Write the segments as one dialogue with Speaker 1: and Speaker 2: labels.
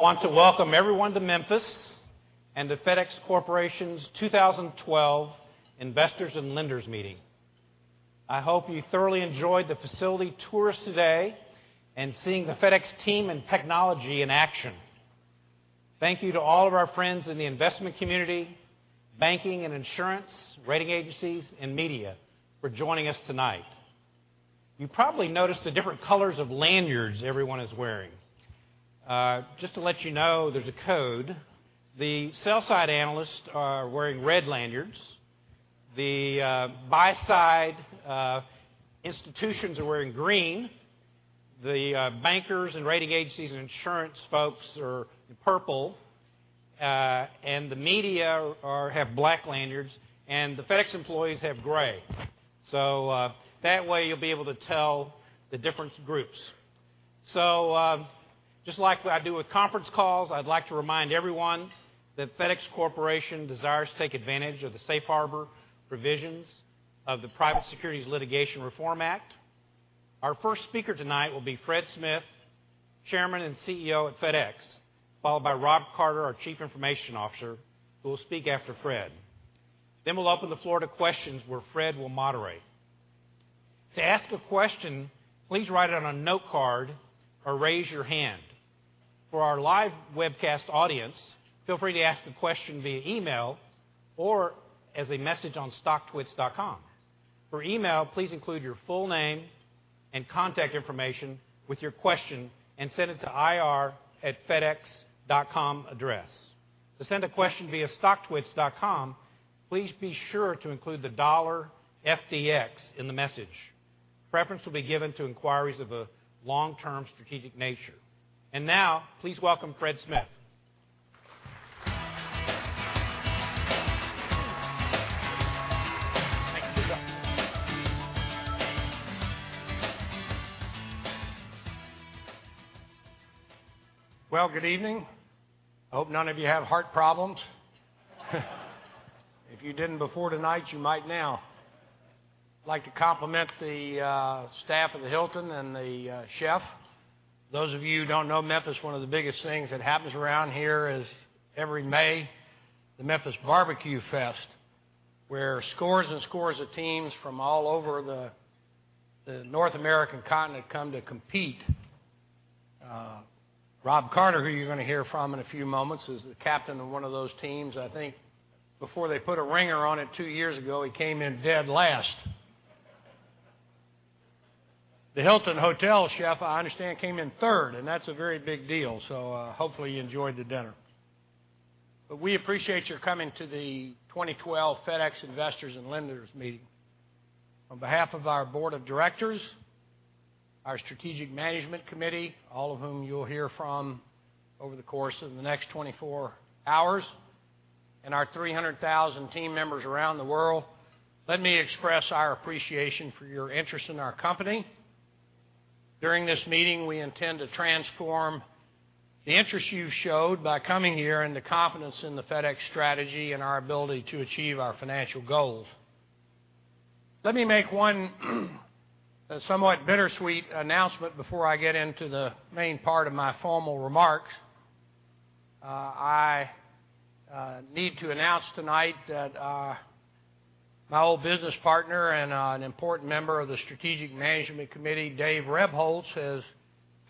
Speaker 1: I want to welcome everyone to Memphis and the FedEx Corporation's 2012 Investors and Lenders Meeting. I hope you thoroughly enjoyed the facility tours today and seeing the FedEx team and technology in action. Thank you to all of our friends in the investment community, banking and insurance, rating agencies, and media for joining us tonight. You probably noticed the different colors of lanyards everyone is wearing. Just to let you know, there's a code. The sell side analysts are wearing red lanyards. The buy side institutions are wearing green. The bankers, rating agencies, and insurance folks are in purple, and the media have black lanyards, and the FedEx employees have gray. That way, you'll be able to tell the different groups. Just like I do with conference calls, I'd like to remind everyone that FedEx Corporation desires to take advantage of the safe harbor provisions of the Private Securities Litigation Reform Act. Our first speaker tonight will be Fred Smith, Chairman and CEO at FedEx, followed by Rob Carter, our Chief Information Officer, who will speak after Fred. Then we'll open the floor to questions, where Fred will moderate. To ask a question, please write it on a note card or raise your hand. For our live webcast audience, feel free to ask a question via email or as a message on StockTwits.com. For email, please include your full name and contact information with your question and send it to ir@fedex.com address. To send a question via StockTwits.com, please be sure to include the $FDX in the message. Preference will be given to inquiries of a long-term strategic nature. Now, please welcome Fred Smith.
Speaker 2: Thank you. Well, good evening. I hope none of you have heart problems. If you didn't before tonight, you might now. I'd like to compliment the staff of the Hilton and the chef. Those of you who don't know Memphis, one of the biggest things that happens around here is every May, the Memphis Barbecue Fest, where scores and scores of teams from all over the North American continent come to compete. Rob Carter, who you're going to hear from in a few moments, is the captain of one of those teams. I think before they put a ringer on it two years ago, he came in dead last. The Hilton Hotel chef, I understand, came in third, and that's a very big deal, so hopefully, you enjoyed the dinner. But we appreciate your coming to the 2012 FedEx Investors and Lenders Meeting. On behalf of our board of directors, our Strategic Management Committee, all of whom you'll hear from over the course of the next 24 hours, and our 300,000 team members around the world, let me express our appreciation for your interest in our company. During this meeting, we intend to transform the interest you've showed by coming here, and the confidence in the FedEx strategy and our ability to achieve our financial goals. Let me make one, a somewhat bittersweet announcement before I get into the main part of my formal remarks. I need to announce tonight that my old business partner and an important member of the Strategic Management Committee, Dave Rebholz, has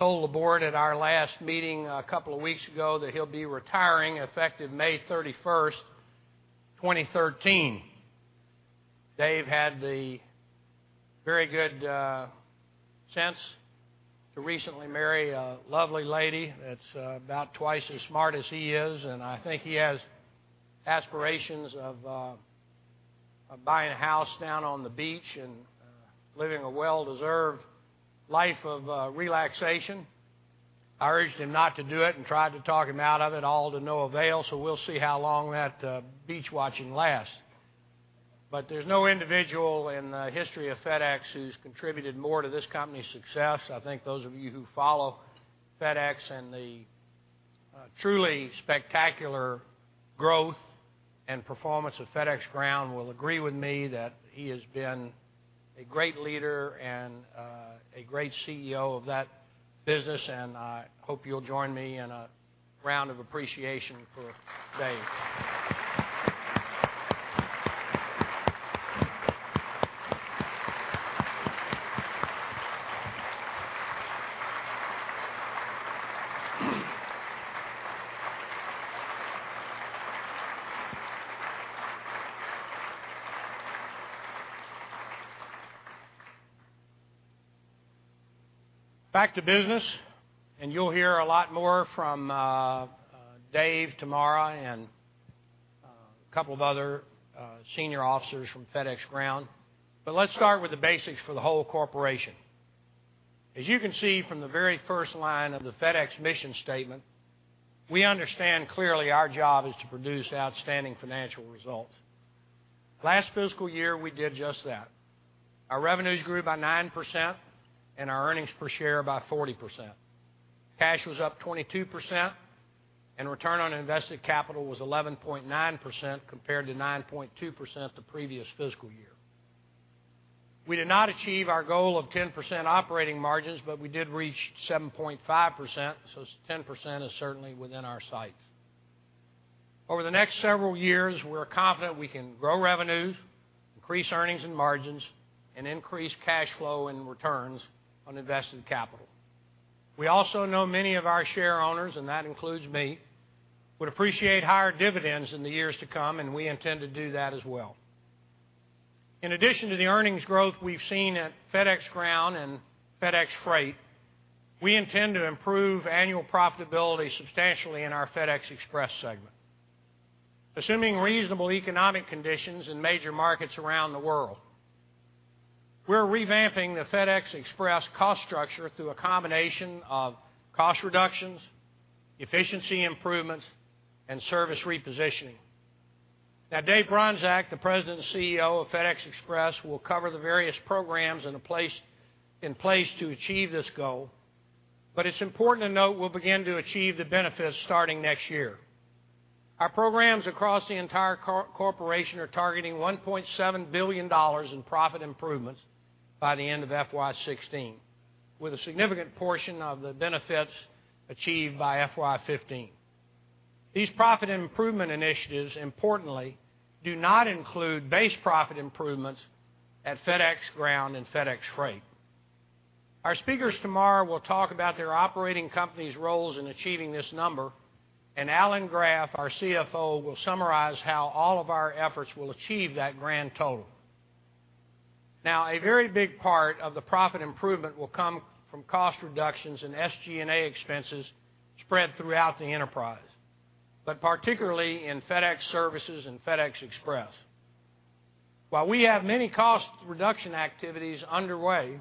Speaker 2: told the board at our last meeting a couple of weeks ago that he'll be retiring effective May 31st, 2013. Dave had the very good sense to recently marry a lovely lady that's about twice as smart as he is, and I think he has aspirations of buying a house down on the beach and living a well-deserved life of relaxation. I urged him not to do it and tried to talk him out of it, all to no avail, so we'll see how long that beach watching lasts. But there's no individual in the history of FedEx who's contributed more to this company's success. I think those of you who follow FedEx and the truly spectacular growth and performance of FedEx Ground will agree with me that he has been a great leader and a great CEO of that business. I hope you'll join me in a round of appreciation for Dave. Back to business, and you'll hear a lot more from Dave tomorrow and a couple of other senior officers from FedEx Ground. But let's start with the basics for the whole corporation. As you can see from the very first line of the FedEx mission statement, we understand clearly our job is to produce outstanding financial results. Last fiscal year, we did just that. Our revenues grew by 9%, and our earnings per share by 40%. Cash was up 22%, and return on invested capital was 11.9%, compared to 9.2% the previous fiscal year. We did not achieve our goal of 10% operating margins, but we did reach 7.5%, so 10% is certainly within our sights. Over the next several years, we're confident we can grow revenues, increase earnings and margins, and increase cash flow and returns on invested capital. We also know many of our shareowners, and that includes me, would appreciate higher dividends in the years to come, and we intend to do that as well. In addition to the earnings growth we've seen at FedEx Ground and FedEx Freight, we intend to improve annual profitability substantially in our FedEx Express segment, assuming reasonable economic conditions in major markets around the world. We're revamping the FedEx Express cost structure through a combination of cost reductions, efficiency improvements, and service repositioning. Now, Dave Bronczek, the President and CEO of FedEx Express, will cover the various programs in place to achieve this goal, but it's important to note we'll begin to achieve the benefits starting next year. Our programs across the entire corporation are targeting $1.7 billion in profit improvements by the end of FY 2016, with a significant portion of the benefits achieved by FY 2015. These profit improvement initiatives, importantly, do not include base profit improvements at FedEx Ground and FedEx Freight. Our speakers tomorrow will talk about their operating companies' roles in achieving this number, and Alan Graf, our CFO, will summarize how all of our efforts will achieve that grand total. Now, a very big part of the profit improvement will come from cost reductions in SG&A expenses spread throughout the enterprise, but particularly in FedEx Services and FedEx Express. While we have many cost reduction activities underway,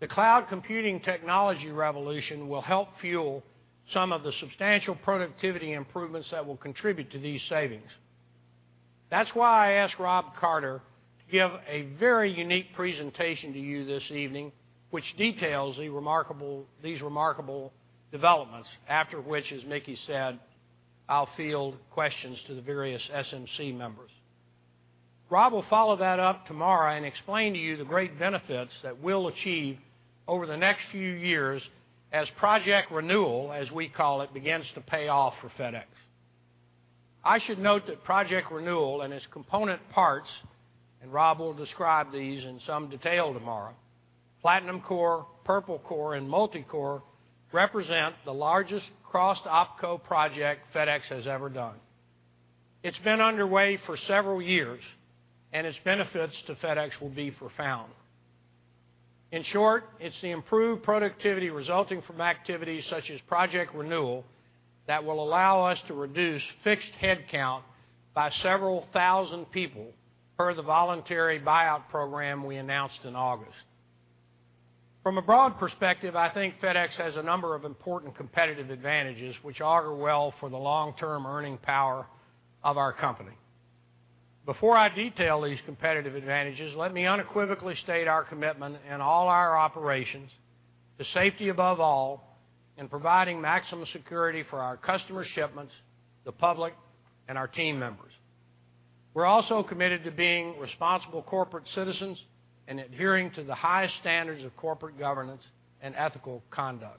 Speaker 2: the cloud computing technology revolution will help fuel some of the substantial productivity improvements that will contribute to these savings. That's why I asked Rob Carter to give a very unique presentation to you this evening, which details these remarkable developments, after which, as Mickey said, I'll field questions to the various SMC members. Rob will follow that up tomorrow and explain to you the great benefits that we'll achieve over the next few years as Project Renewal, as we call it, begins to pay off for FedEx. I should note that Project Renewal and its component parts, and Rob will describe these in some detail tomorrow, Platinum Core, Purple Core, and Multi-Core, represent the largest cross-OpCo project FedEx has ever done. It's been underway for several years, and its benefits to FedEx will be profound. In short, it's the improved productivity resulting from activities such as Project Renewal that will allow us to reduce fixed headcount by several thousand people per the voluntary buyout program we announced in August. From a broad perspective, I think FedEx has a number of important competitive advantages, which augur well for the long-term earning power of our company. Before I detail these competitive advantages, let me unequivocally state our commitment in all our operations to safety above all, and providing maximum security for our customer shipments, the public, and our team members. We're also committed to being responsible corporate citizens and adhering to the highest standards of corporate governance and ethical conduct.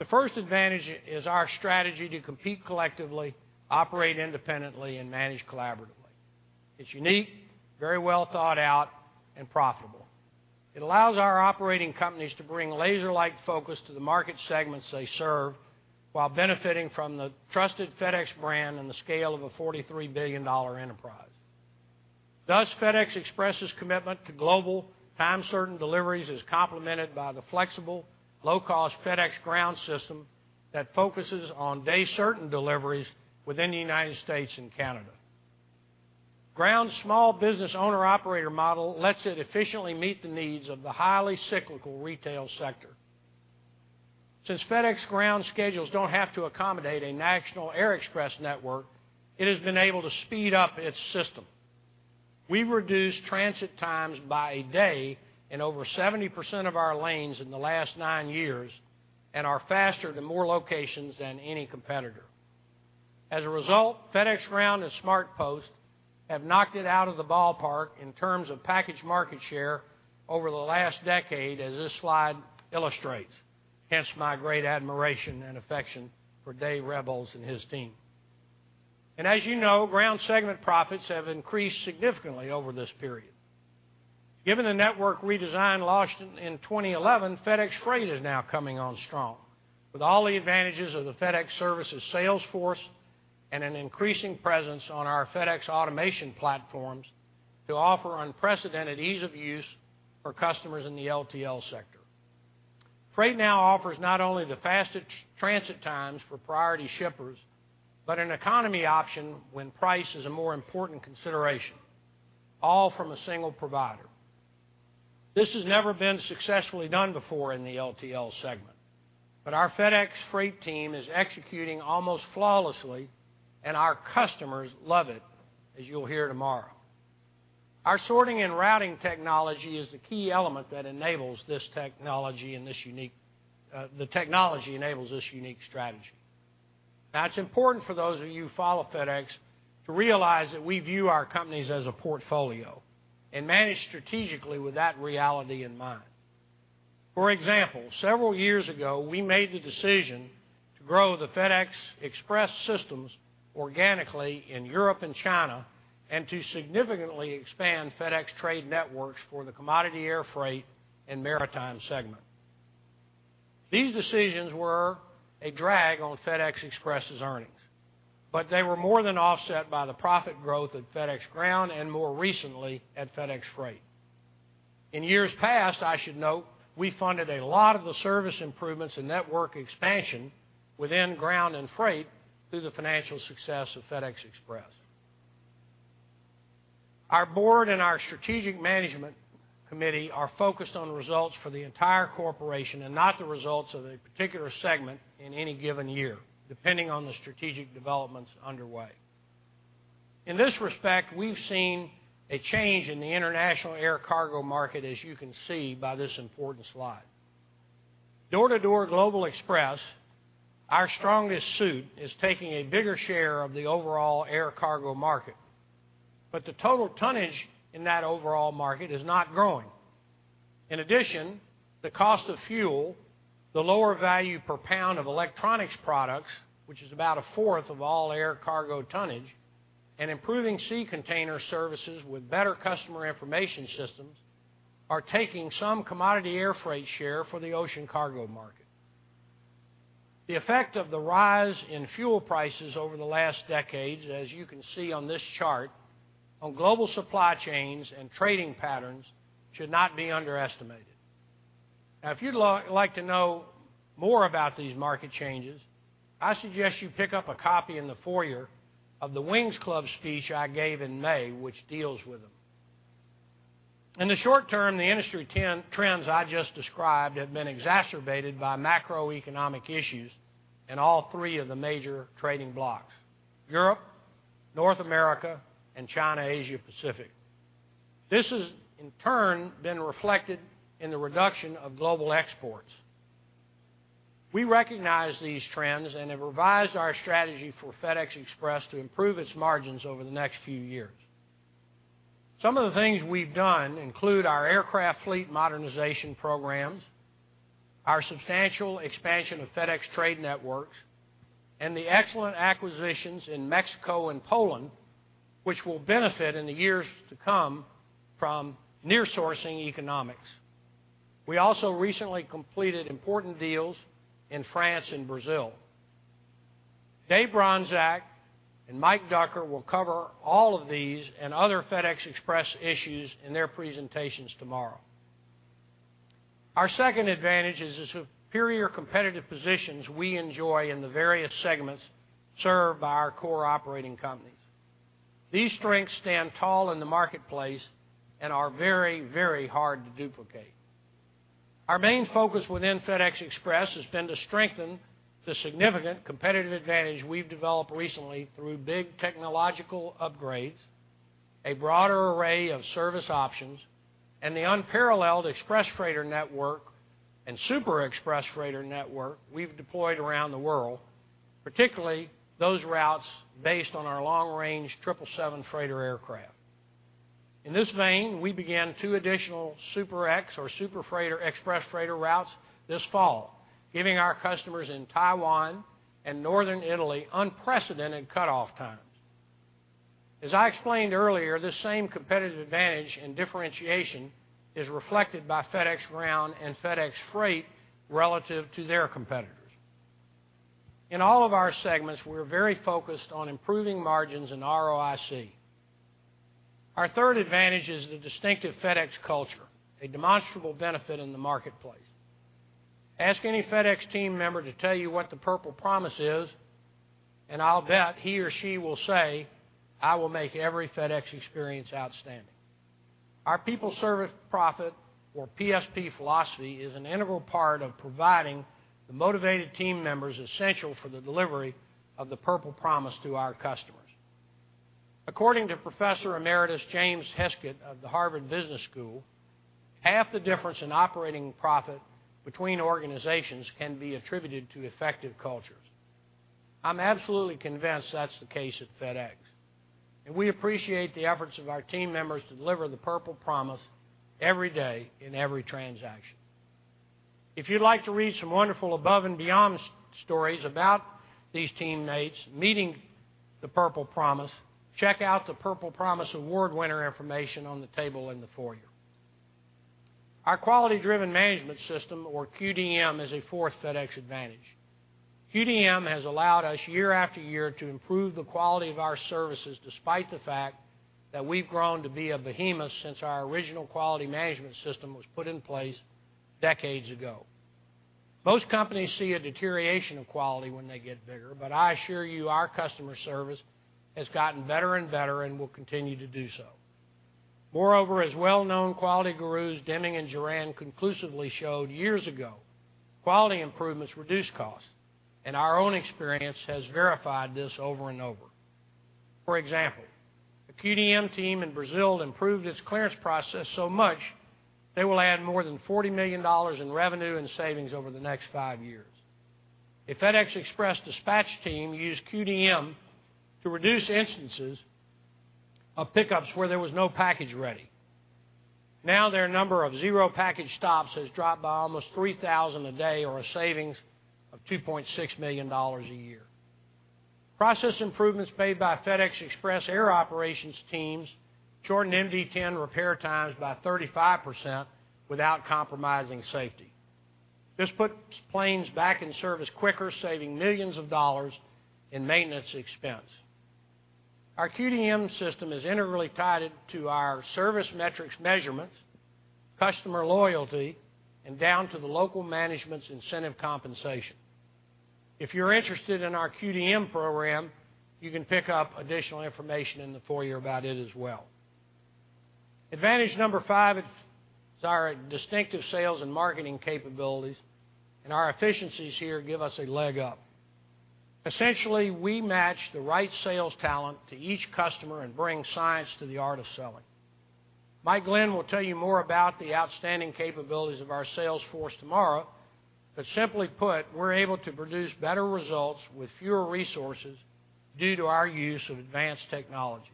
Speaker 2: The first advantage is our strategy to compete collectively, operate independently, and manage collaboratively. It's unique, very well thought out, and profitable. It allows our operating companies to bring laser-like focus to the market segments they serve while benefiting from the trusted FedEx brand and the scale of a $43 billion enterprise. Thus, FedEx Express's commitment to global, time-certain deliveries is complemented by the flexible, low-cost FedEx Ground system that focuses on day-certain deliveries within the United States and Canada. Ground's small business owner-operator model lets it efficiently meet the needs of the highly cyclical retail sector. Since FedEx Ground schedules don't have to accommodate a national air express network, it has been able to speed up its system. We've reduced transit times by a day in over 70% of our lanes in the last nine years and are faster to more locations than any competitor. As a result, FedEx Ground and SmartPost have knocked it out of the ballpark in terms of package market share over the last decade, as this slide illustrates. Hence, my great admiration and affection for Dave Rebholz and his team. As you know, Ground segment profits have increased significantly over this period. Given the network redesign launched in 2011, FedEx Freight is now coming on strong, with all the advantages of the FedEx services sales force and an increasing presence on our FedEx automation platforms to offer unprecedented ease of use for customers in the LTL sector. Freight now offers not only the fastest transit times for priority shippers, but an economy option when price is a more important considration, all from a single provider. This has never been successfully done before in the LTL segment, but our FedEx Freight team is executing almost flawlessly, and our customers love it, as you'll hear tomorrow. Our sorting and routing technology is the key element that enables this technology and this unique... the technology enables this unique strategy. Now, it's important for those of you who follow FedEx to realize that we view our companies as a portfolio and manage strategically with that reality in mind. For example, several years ago, we made the decision to grow the FedEx Express systems organically in Europe and China, and to significantly expand FedEx Trade Networks for the commodity air freight and maritime segment. These decisions were a drag on FedEx Express' earnings, but they were more than offset by the profit growth at FedEx Ground and more recently, at FedEx Freight. In years past, I should note, we funded a lot of the service improvements and network expansion within Ground and Freight through the financial success of FedEx Express. Our board and our strategic management committee are focused on results for the entire corporation, and not the results of a particular segment in any given year, depending on the strategic developments underway. In this respect, we've seen a change in the international air cargo market, as you can see by this important slide. Door-to-door global express, our strongest suit, is taking a bigger share of the overall air cargo market, but the total tonnage in that overall market is not growing. In addition, the cost of fuel, the lower value per pound of electronics products, which is about a fourth of all air cargo tonnage, and improving sea container services with better customer information systems, are taking some commodity air freight share for the ocean cargo market. The effect of the rise in fuel prices over the last decades, as you can see on this chart, on global supply chains and trading patterns, should not be underestimated. Now, if you'd like to know more about these market changes, I suggest you pick up a copy in the foyer of the Wings Club speech I gave in May, which deals with them. In the short term, the industry trends I just described have been exacerbated by macroeconomic issues in all three of the major trading blocs: Europe, North America, and China, Asia-Pacific. This has, in turn, been reflected in the reduction of global exports. We recognize these trends and have revised our strategy for FedEx Express to improve its margins over the next few years. Some of the things we've done include our aircraft fleet modernization programs, our substantial expansion of FedEx Trade Networks, and the excellent acquisitions in Mexico and Poland, which will benefit in the years to come from nearshoring economics. We also recently completed important deals in France and Brazil. Dave Bronczek and Mike Ducker will cover all of these and other FedEx Express issues in their presentations tomorrow. Our second advantage is the superior competitive positions we enjoy in the various segments served by our core operating companies. These strengths stand tall in the marketplace and are very, very hard to duplicate. Our main focus within FedEx Express has been to strengthen the significant competitive advantage we've developed recently through big technological upgrades, a broader array of service options, and the unparalleled Express Freighter network and Super Express Freighter network we've deployed around the world, particularly those routes based on our long-range 777 freighter aircraft. In this vein, we began two additional Super Ex or Super Freighter Express Freighter routes this fall, giving our customers in Taiwan and northern Italy unprecedented cut-off times. As I explained earlier, this same competitive advantage and differentiation is reflected by FedEx Ground and FedEx Freight relative to their competitors. In all of our segments, we're very focused on improving margins and ROIC. Our third advantage is the distinctive FedEx culture, a demonstrable benefit in the marketplace. Ask any FedEx team member to tell you what the Purple Promise is, and I'll bet he or she will say, "I will make every FedEx experience outstanding." Our People-Service-Profit, or PSP philosophy, is an integral part of providing the motivated team members essential for the delivery of the Purple Promise to our customers. According to Professor Emeritus James Heskett of the Harvard Business School, half the difference in operating profit between organizations can be attributed to effective cultures. I'm absolutely convinced that's the case at FedEx, and we appreciate the efforts of our team members to deliver the Purple Promise every day in every transaction. If you'd like to read some wonderful above-and-beyond stories about these teammates meeting the Purple Promise, check out the Purple Promise Award winner information on the table in the foyer. Our Quality-Driven Management system, or QDM, is a fourth FedEx advantage. QDM has allowed us, year after year, to improve the quality of our services, despite the fact that we've grown to be a behemoth since our original quality management system was put in place decades ago. Most companies see a deterioration of quality when they get bigger, but I assure you, our customer service has gotten better and better and will continue to do so. Moreover, as well-known quality gurus Deming and Juran conclusively showed years ago, quality improvements reduce costs, and our own experience has verified this over and over. For example, the QDM team in Brazil improved its clearance process so much, they will add more than $40 million in revenue and savings over the next five years. A FedEx Express dispatch team used QDM to reduce instances of pickups where there was no package ready. Now, their number of zero package stops has dropped by almost 3,000 a day, or a savings of $2.6 million a year. Process improvements made by FedEx Express air operations teams shortened MD-10 repair times by 35% without compromising safety. This puts planes back in service quicker, saving millions of dollars in maintenance expense. Our QDM system is integrally tied to our service metrics measurements, customer loyalty, and down to the local management's incentive compensation. If you're interested in our QDM program, you can pick up additional information in the foyer about it as well. Advantage number five is our distinctive sales and marketing capabilities, and our efficiencies here give us a leg up. Essentially, we match the right sales talent to each customer and bring science to the art of selling. Mike Glenn will tell you more about the outstanding capabilities of our sales force tomorrow, but simply put, we're able to produce better results with fewer resources due to our use of advanced technology.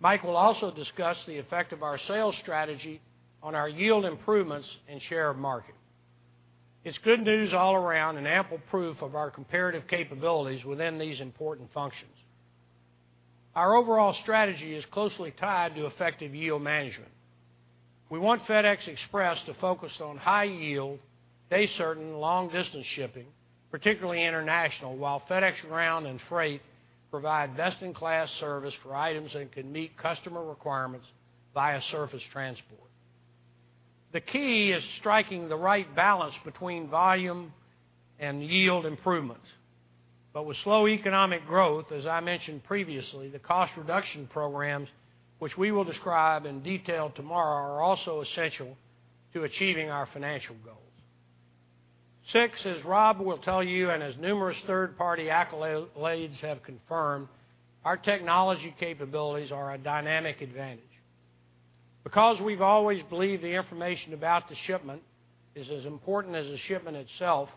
Speaker 2: Mike will also discuss the effect of our sales strategy on our yield improvements and share of market. It's good news all around and ample proof of our comparative capabilities within these important functions. Our overall strategy is closely tied to effective yield management. We want FedEx Express to focus on high yield, day-certain, long-distance shipping, particularly international, while FedEx Ground and Freight provide best-in-class service for items that can meet customer requirements via surface transport. The key is striking the right balance between volume and yield improvements. But with slow economic growth, as I mentioned previously, the cost reduction programs, which we will describe in detail tomorrow, are also essential to achieving our financial goals. Six, as Rob will tell you, and as numerous third-party accolades have confirmed, our technology capabilities are a dynamic advantage. Because we've always believed the information about the shipment is as important as the shipment itself,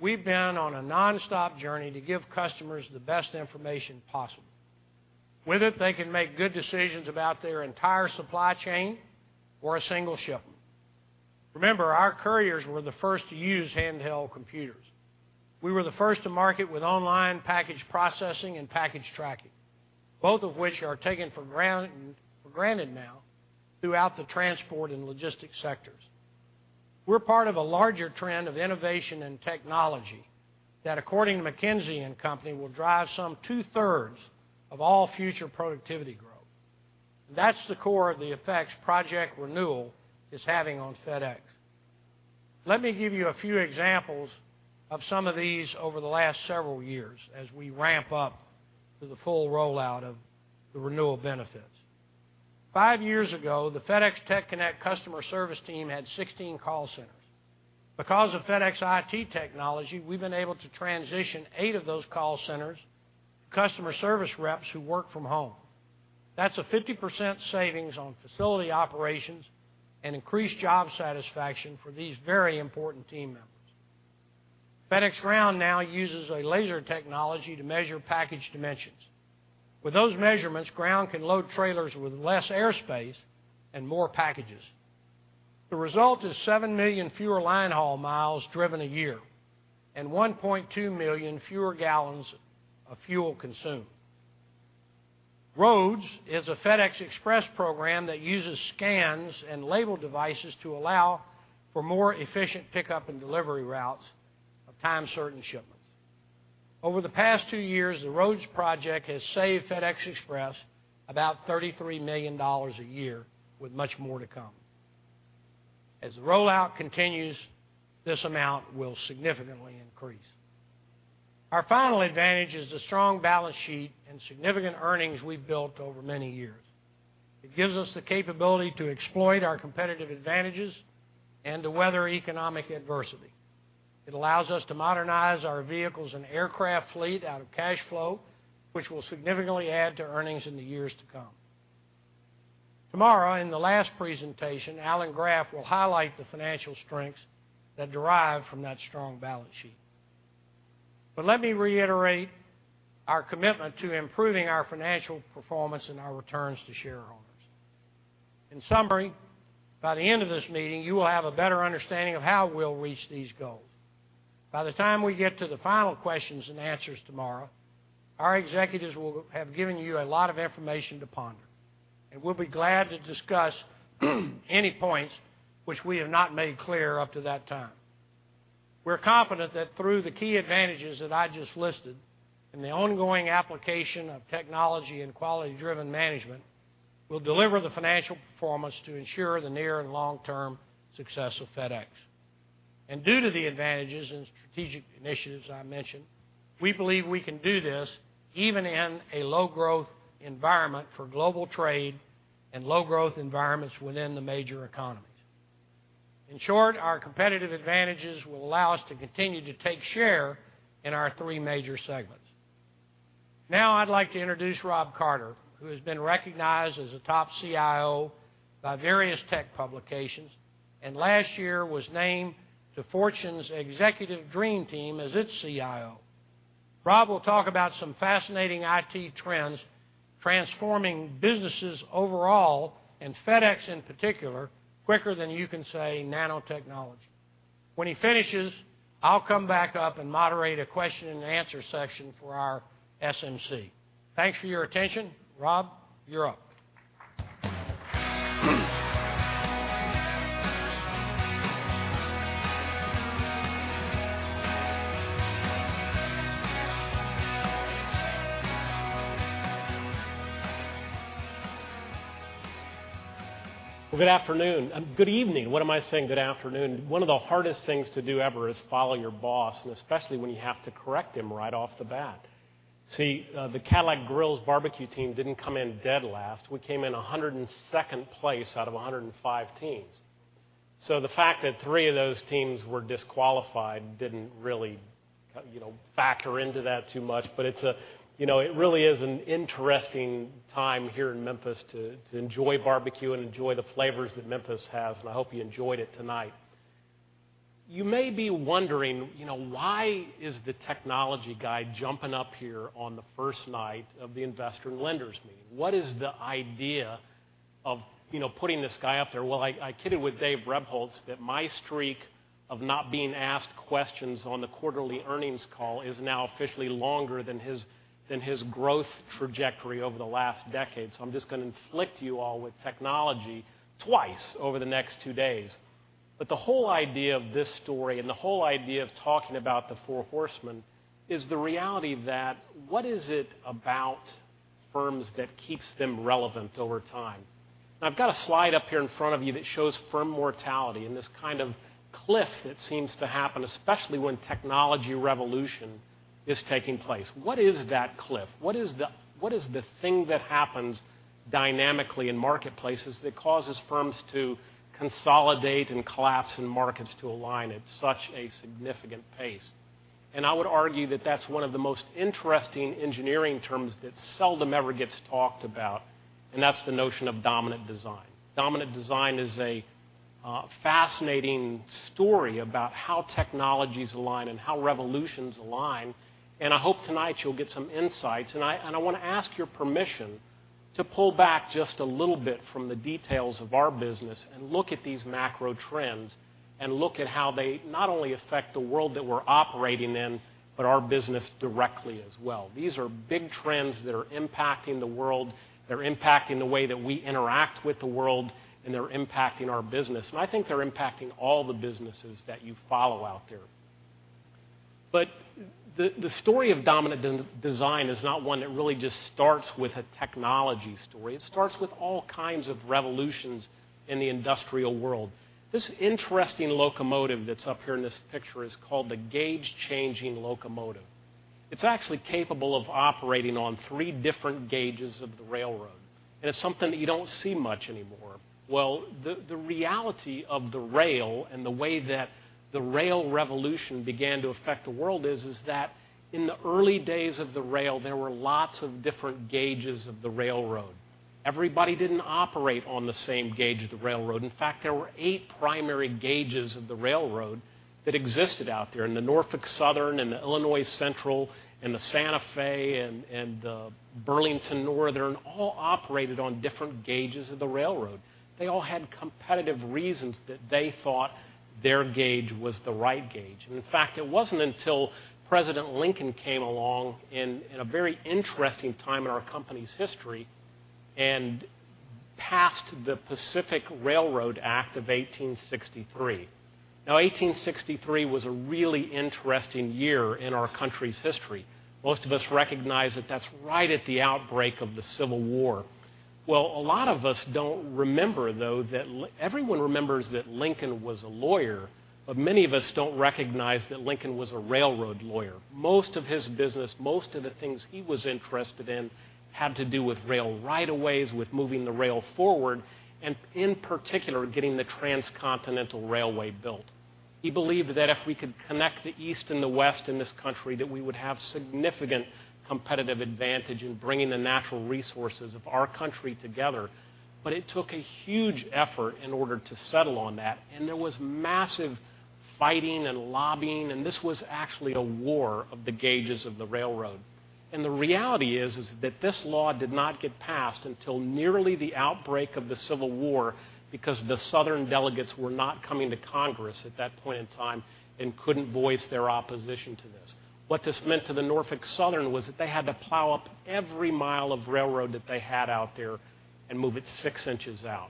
Speaker 2: we've been on a nonstop journey to give customers the best information possible. With it, they can make good decisions about their entire supply chain or a single shipment. Remember, our couriers were the first to use handheld computers. We were the first to market with online package processing and package tracking, both of which are taken for granted now throughout the transport and logistics sectors. We're part of a larger trend of innovation and technology that, according to McKinsey & Company, will drive some two-thirds of all future productivity growth. That's the core of the effects Project Renewal is having on FedEx. Let me give you a few examples of some of these over the last several years as we ramp up to the full rollout of the Renewal benefits. five years ago, the FedEx TechConnect customer service team had 16 call centers. Because of FedEx IT technology, we've been able to transition 8 of those call centers to customer service reps who work from home. That's a 50% savings on facility operations and increased job satisfaction for these very important team members. FedEx Ground now uses a laser technology to measure package dimensions. With those measurements, Ground can load trailers with less air space and more packages. The result is 7 million fewer line haul miles driven a year and 1.2 million fewer gallons of fuel consumed. ROADS is a FedEx Express program that uses scans and label devices to allow for more efficient pickup and delivery routes of time-certain shipments. Over the past two years, the ROADS project has saved FedEx Express about $33 million a year, with much more to come. As the rollout continues, this amount will significantly increase. Our final advantage is the strong balance sheet and significant earnings we've built over many years. It gives us the capability to exploit our competitive advantages and to weather economic adversity. It allows us to modernize our vehicles and aircraft fleet out of cash flow, which will significantly add to earnings in the years to come. Tomorrow, in the last presentation, Alan Graf will highlight the financial strengths that derive from that strong balance sheet. But let me reiterate our commitment to improving our financial performance and our returns to shareholders. In summary, by the end of this meeting, you will have a better understanding of how we'll reach these goals. By the time we get to the final questions and answers tomorrow, our executives will have given you a lot of information to ponder, and we'll be glad to discuss any points which we have not made clear up to that time. We're confident that through the key advantages that I just listed and the ongoing application of technology and quality-driven management, we'll deliver the financial performance to ensure the near and long-term success of FedEx. Due to the advantages and strategic initiatives I mentioned, we believe we can do this even in a low-growth environment for global trade and low-growth environments within the major economies. In short, our competitive advantages will allow us to continue to take share in our three major segments. Now I'd like to introduce Rob Carter, who has been recognized as a top CIO by various tech publications, and last year was named to Fortune's Executive Dream Team as its CIO. Rob will talk about some fascinating IT trends transforming businesses overall, and FedEx in particular, quicker than you can say nanotechnology. When he finishes, I'll come back up and moderate a question and answer section for our SMC. Thanks for your attention. Rob, you're up.
Speaker 3: Well, good afternoon. Good evening. What am I saying, good afternoon? One of the hardest things to do ever is follow your boss, and especially when you have to correct him right off the bat. See, the Cadillac Grillz BBQ team didn't come in dead last. We came in 102nd place out of 105 teams. The fact that three of those teams were disqualified didn't really, you know, factor into that too much. But it's, you know, it really is an interesting time here in Memphis to enjoy barbecue and enjoy the flavors that Memphis has, and I hope you enjoyed it tonight. You may be wondering, you know, why is the technology guy jumping up here on the first night of the investor and lenders meeting? What is the idea of, you know, putting this guy up there? Well, I, I kidded with Dave Rebholz that my streak of not being asked questions on the quarterly earnings call is now officially longer than his, than his growth trajectory over the last decade. I'm just going to inflict you all with technology twice over the next two days. But the whole idea of this story and the whole idea of talking about the Four Horsemen is the reality that, what is it about firms that keeps them relevant over time? I've got a slide up here in front of you that shows firm mortality and this kind of cliff that seems to happen, especially when technology revolution is taking place. What is that cliff? What is the thing that happens dynamically in marketplaces that causes firms to consolidate and collapse and markets to align at such a significant pace? I would argue that that's one of the most interesting engineering terms that seldom ever gets talked about, and that's the dominant design is a fascinating story about how technologies align and how revolutions align, and I hope tonight you'll get some insights. I want to ask your permission to pull back just a little bit from the details of our business and look at these macro trends, and look at how they not only affect the world that we're operating in, but our business directly as well. These are big trends that are impacting the world, they're impacting the way that we interact with the world, and they're impacting our business. I think they're impacting all the businesses that you follow out there. But the dominant design is not one that really just starts with a technology story. It starts with all kinds of revolutions in the industrial world. This interesting locomotive that's up here in this picture is called the gauge-changing locomotive. It's actually capable of operating on three different gauges of the railroad, and it's something that you don't see much anymore. Well, the reality of the rail and the way that the rail revolution began to affect the world is that in the early days of the rail, there were lots of different gauges of the railroad. Everybody didn't operate on the same gauge of the railroad. In fact, there were eight primary gauges of the railroad that existed out there, and the Norfolk Southern and the Illinois Central and the Santa Fe and the Burlington Northern all operated on different gauges of the railroad. They all had competitive reasons that they thought their gauge was the right gauge. In fact, it wasn't until President Lincoln came along in a very interesting time in our company's history and passed the Pacific Railroad Act of 1863. Now, 1863 was a really interesting year in our country's history. Most of us recognize that that's right at the outbreak of the Civil War. Well, a lot of us don't remember, though, that everyone remembers that Lincoln was a lawyer, but many of us don't recognize that Lincoln was a railroad lawyer. Most of his business, most of the things he was interested in, had to do with rail rights-of-way, with moving the rail forward, and in particular, getting the transcontinental railway built. He believed that if we could connect the East and the West in this country, that we would have significant competitive advantage in bringing the natural resources of our country together. But it took a huge effort in order to settle on that, and there was massive fighting and lobbying, and this was actually a war of the gauges of the railroad. The reality is that this law did not get passed until nearly the outbreak of the Civil War, because the Southern delegates were not coming to Congress at that point in time and couldn't voice their opposition to this. What this meant to the Norfolk Southern was that they had to plow up every mile of railroad that they had out there and move it six inches out.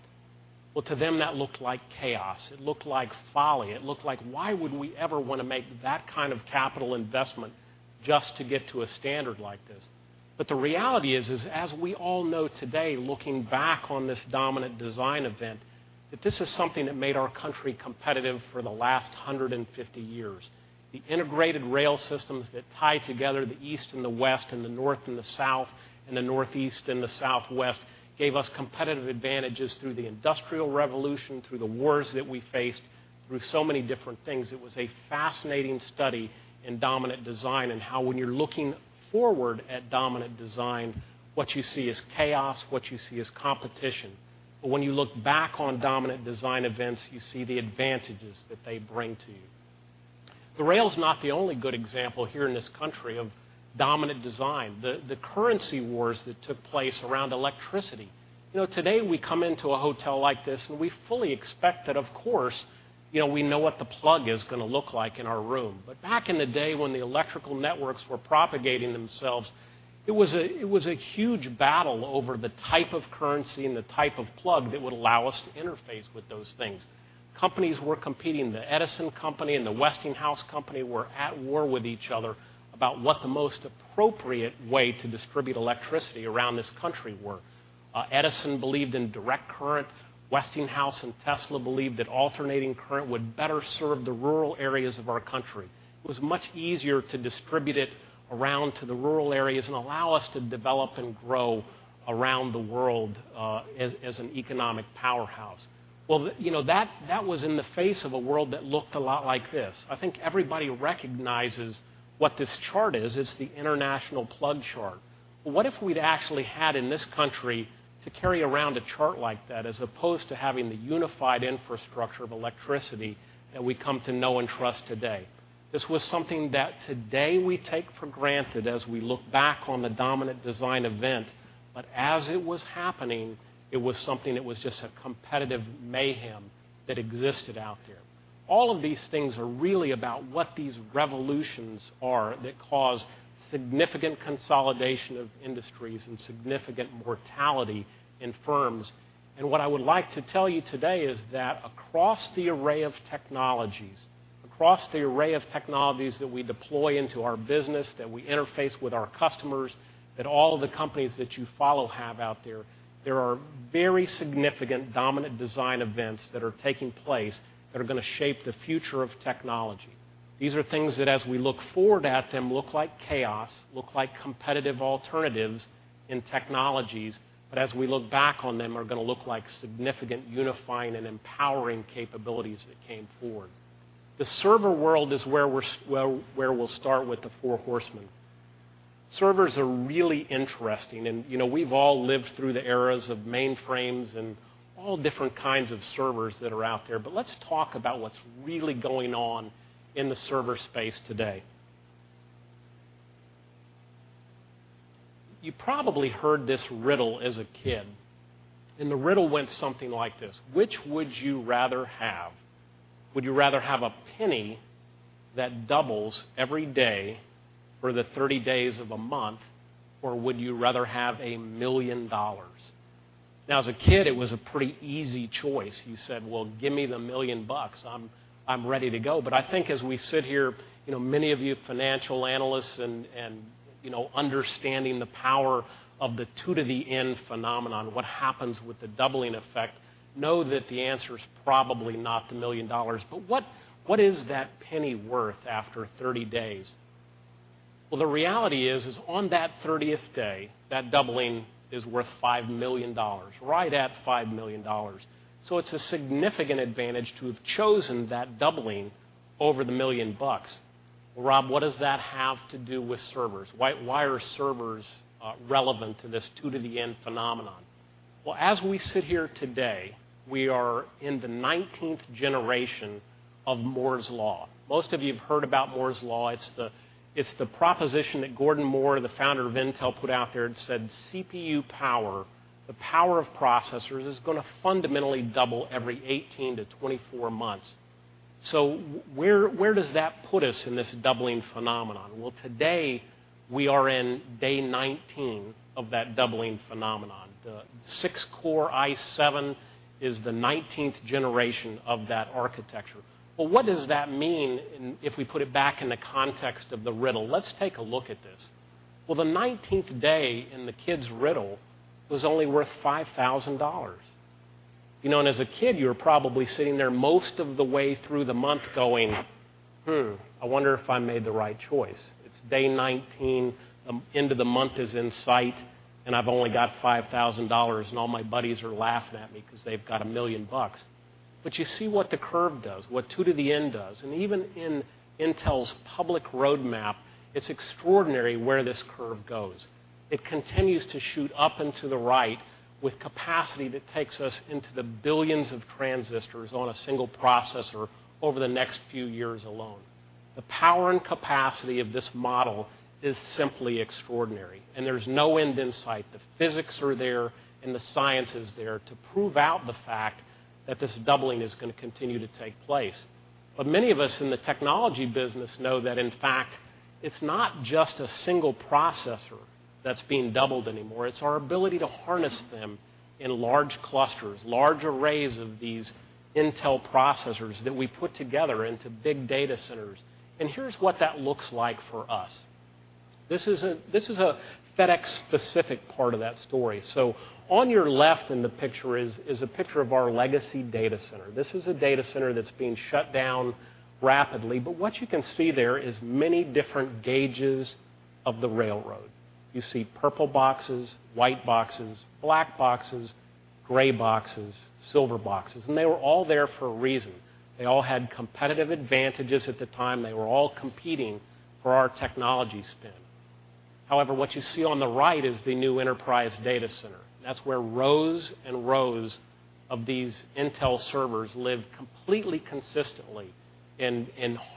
Speaker 3: Well, to them, that looked like chaos. It looked like folly. It looked like: Why would we ever want to make that kind of capital investment just to get to a standard like this? But the reality is, is as we all know today, looking back dominant design event, that this is something that made our country competitive for the last 150 years. The integrated rail systems that tied together the East and the West, and the North and the South, and the Northeast and the Southwest, gave us competitive advantages through the Industrial Revolution, through the wars that we faced, through so many different things. It was a fascinating dominant design, and how when you're looking dominant design, what you see is chaos, what you see is competition. But when you look dominant design events, you see the advantages that they bring to you. The rail is not the only good example here in this dominant design. the War of Currents that took place around electricity. You know, today, we come into a hotel like this, and we fully expect that, of course, you know, we know what the plug is going to look like in our room. But back in the day, when the electrical networks were propagating themselves, it was a huge battle over the type of currency and the type of plug that would allow us to interface with those things. Companies were competing. The Edison Company and the Westinghouse Company were at war with each other about what the most appropriate way to distribute electricity around this country were. Edison believed in direct current. Westinghouse and Tesla believed that alternating current would better serve the rural areas of our country. It was much easier to distribute it around to the rural areas and allow us to develop and grow around the world, as an economic powerhouse. Well, you know, that was in the face of a world that looked a lot like this. I think everybody recognizes what this chart is. It's the international plug chart. What if we'd actually had in this country to carry around a chart like that, as opposed to having the unified infrastructure of electricity that we come to know and trust today? This was something that today we take for granted as we look back dominant design event, but as it was happening, it was something that was just a competitive mayhem that existed out there. All of these things are really about what these revolutions are that cause significant consolidation of industries and significant mortality in firms. What I would like to tell you today is that across the array of technologies, across the array of technologies that we deploy into our business, that we interface with our customers, that all of the companies that you follow have out there, there are dominant design events that are taking place that are going to shape the future of technology. These are things that, as we look forward at them, look like chaos, look like competitive alternatives in technologies, but as we look back on them, are going to look like significant unifying and empowering capabilities that came forward. The server world is where we're where we'll start with the Four Horsemen. Servers are really interesting, and, you know, we've all lived through the eras of mainframes and all different kinds of servers that are out there, but let's talk about what's really going on in the server space today. You probably heard this riddle as a kid, and the riddle went something like this: Which would you rather have? Would you rather have a penny that doubles every day for the 30 days of a month, or would you rather have $1 million? Now, as a kid, it was a pretty easy choice. You said, "Well, give me the $1 million. I'm, I'm ready to go." But I think as we sit here, you know, many of you financial analysts and, and, you know, understanding the power of the 2 to the N phenomenon, what happens with the doubling effect, know that the answer is probably not the $1 million. But what, what is that penny worth after 30 days? Well, the reality is, is on that 30th day, that doubling is worth $5 million, right at $5 million. It's a significant advantage to have chosen that doubling over the $1 million. Rob, what does that have to do with servers? Why, why are servers relevant to this 2 to the N phenomenon? Well, as we sit here today, we are in the 19th generation of Moore's Law. Most of you have heard about Moore's Law. It's the, it's the proposition that Gordon Moore, the founder of Intel, put out there and said, "CPU power, the power of processors, is going to fundamentally double every 18-24 months." Where, where does that put us in this doubling phenomenon? Well, today, we are in day 19 of that doubling phenomenon. The six-core i7 is the 19th generation of that architecture. But what does that mean if we put it back in the context of the riddle? Let's take a look at this. Well, the 19th day in the kid's riddle was only worth $5,000. You know, and as a kid, you were probably sitting there most of the way through the month going, "Hmm, I wonder if I made the right choice. "It's day 19, end of the month is in sight, and I've only got $5,000, and all my buddies are laughing at me because they've got $1 million." But you see what the curve does, what 2 to the N does. And even in Intel's public roadmap, it's extraordinary where this curve goes. It continues to shoot up and to the right with capacity that takes us into the billions of transistors on a single processor over the next few years alone. The power and capacity of this model is simply extraordinary, and there's no end in sight. The physics are there, and the science is there to prove out the fact that this doubling is going to continue to take place. But many of us in the technology business know that, in fact, it's not just a single processor that's being doubled anymore, it's our ability to harness them in large clusters, large arrays of these Intel processors that we put together into big data centers. Here's what that looks like for us. This is a FedEx-specific part of that story. On your left in the picture is, is a picture of our legacy data center. This is a data center that's being shut down rapidly, but what you can see there is many different gauges of the railroad. You see purple boxes, white boxes, black boxes, gray boxes, silver boxes, and they were all there for a reason. They all had competitive advantages at the time. They were all competing for our technology spin. However, what you see on the right is the new enterprise data center. That's where rows and rows of these Intel servers live completely consistently and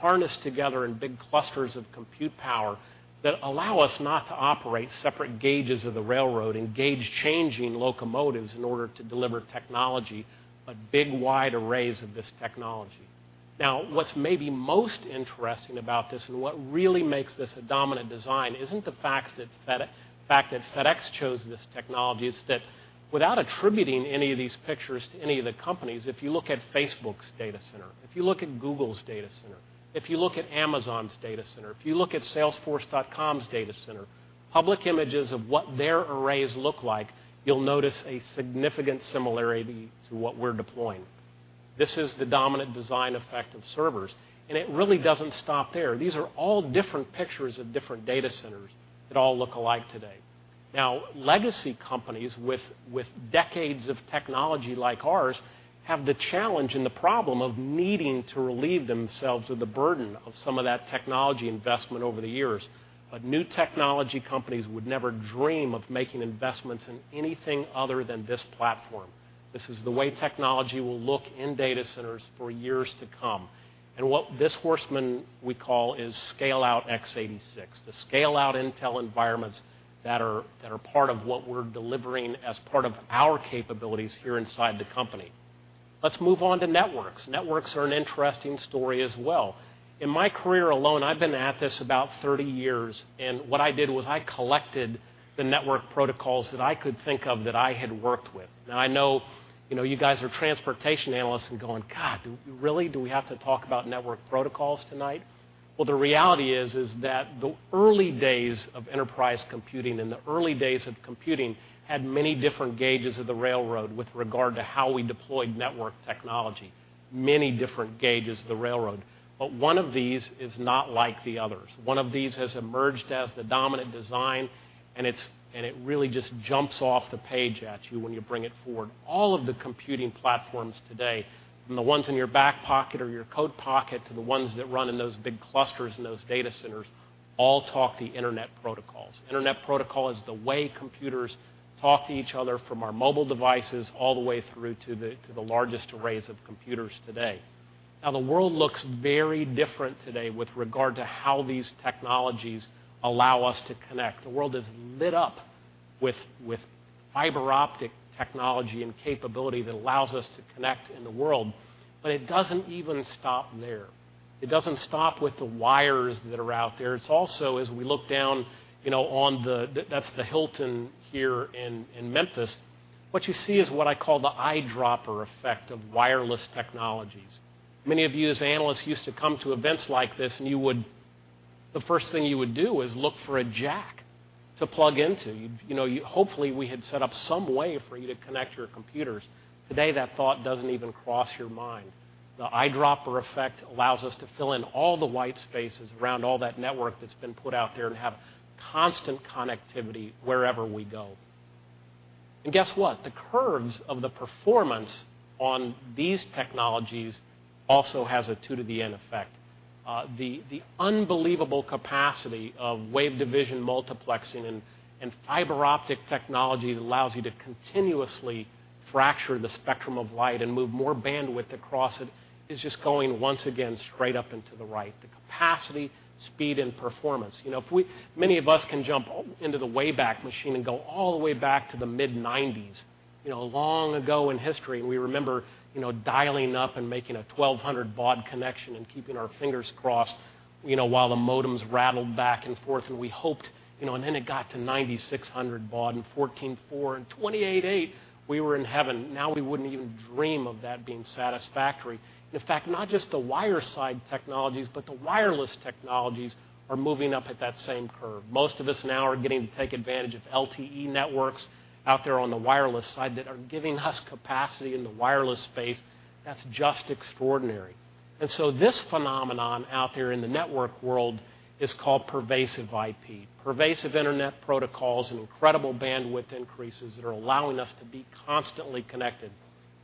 Speaker 3: harnessed together in big clusters of compute power that allow us not to operate separate gauges of the railroad and gauge-changing locomotives in order to deliver technology, but big, wide arrays of this technology. Now, what's maybe most interesting about this, and what really makes dominant design, isn't the fact that FedEx chose this technology, it's that without attributing any of these pictures to any of the companies, if you look at Facebook's data center, if you look at Google's data center, if you look at Amazon's data center, if you look at Salesforce.com's data center, public images of what their arrays look like, you'll notice a significant similarity to what we're deploying. This dominant design effect of servers, and it really doesn't stop there. These are all different pictures of different data centers that all look alike today. Now, legacy companies with decades of technology like ours have the challenge and the problem of needing to relieve themselves of the burden of some of that technology investment over the years. But new technology companies would never dream of making investments in anything other than this platform. This is the way technology will look in data centers for years to come. What this horseman we call is scale-out x86, the scale-out Intel environments that are part of what we're delivering as part of our capabilities here inside the company. Let's move on to networks. Networks are an interesting story as well. In my career alone, I've been at this about 30 years, and what I did was I collected the network protocols that I could think of that I had worked with. Now, I know, you know, you guys are transportation analysts and going, "God, do we really? Do we have to talk about network protocols tonight?" Well, the reality is, is that the early days of enterprise computing and the early days of computing had many different gauges of the railroad with regard to how we deployed network technology, many different gauges of the railroad. But one of these is not like the others. One of these has emerged dominant design, and it's and it really just jumps off the page at you when you bring it forward. All of the computing platforms today, from the ones in your back pocket or your coat pocket to the ones that run in those big clusters in those data centers, all talk the Internet protocols. Internet protocol is the way computers talk to each other from our mobile devices, all the way through to the largest arrays of computers today. Now, the world looks very different today with regard to how these technologies allow us to connect. The world is lit up with fiber optic technology and capability that allows us to connect in the world. But it doesn't even stop there. It doesn't stop with the wires that are out there. It's also, as we look down, you know, on the... That's the Hilton here in Memphis. What you see is what I call the eyedropper effect of wireless technologies. Many of you, as analysts, used to come to events like this, and you would, the first thing you would do is look for a jack to plug into. You know, hopefully, we had set up some way for you to connect your computers. Today, that thought doesn't even cross your mind. The eyedropper effect allows us to fill in all the white spaces around all that network that's been put out there and have constant connectivity wherever we go. Guess what? The curves of the performance on these technologies also has a 2 to the N effect. The unbelievable capacity of wave division multiplexing and fiber optic technology that allows you to continuously fracture the spectrum of light and move more bandwidth across it, is just going, once again, straight up and to the right. The capacity, speed, and performance. You know, many of us can jump into the way-back machine and go all the way back to the mid-1990s, you know, long ago in history, and we remember, you know, dialing up and making a 1,200 baud connection and keeping our fingers crossed, you know, while the modems rattled back and forth, and we hoped, you know, and then it got to 9,600 baud and 14.4, and 28.8, we were in heaven. Now, we wouldn't even dream of that being satisfactory. In fact, not just the wire side technologies, but the wireless technologies are moving up at that same curve. Most of us now are getting to take advantage of LTE networks out there on the wireless side that are giving us capacity in the wireless space. That's just extraordinary. This phenomenon out there in the network world is called pervasive IP. Pervasive Internet Protocols and incredible bandwidth increases that are allowing us to be constantly connected.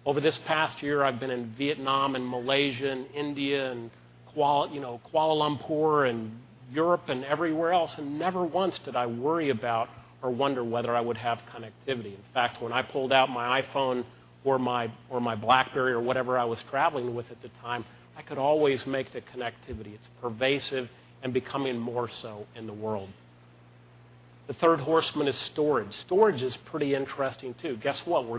Speaker 3: Over this past year, I've been in Vietnam and Malaysia and India and Kuala, you know, Kuala Lumpur and Europe and everywhere else, and never once did I worry about or wonder whether I would have connectivity. In fact, when I pulled out my iPhone or my BlackBerry or whatever I was traveling with at the time, I could always make the connectivity. It's pervasive and becoming more so in the world. The third horseman is storage. Storage is pretty interesting, too. Guess what? We're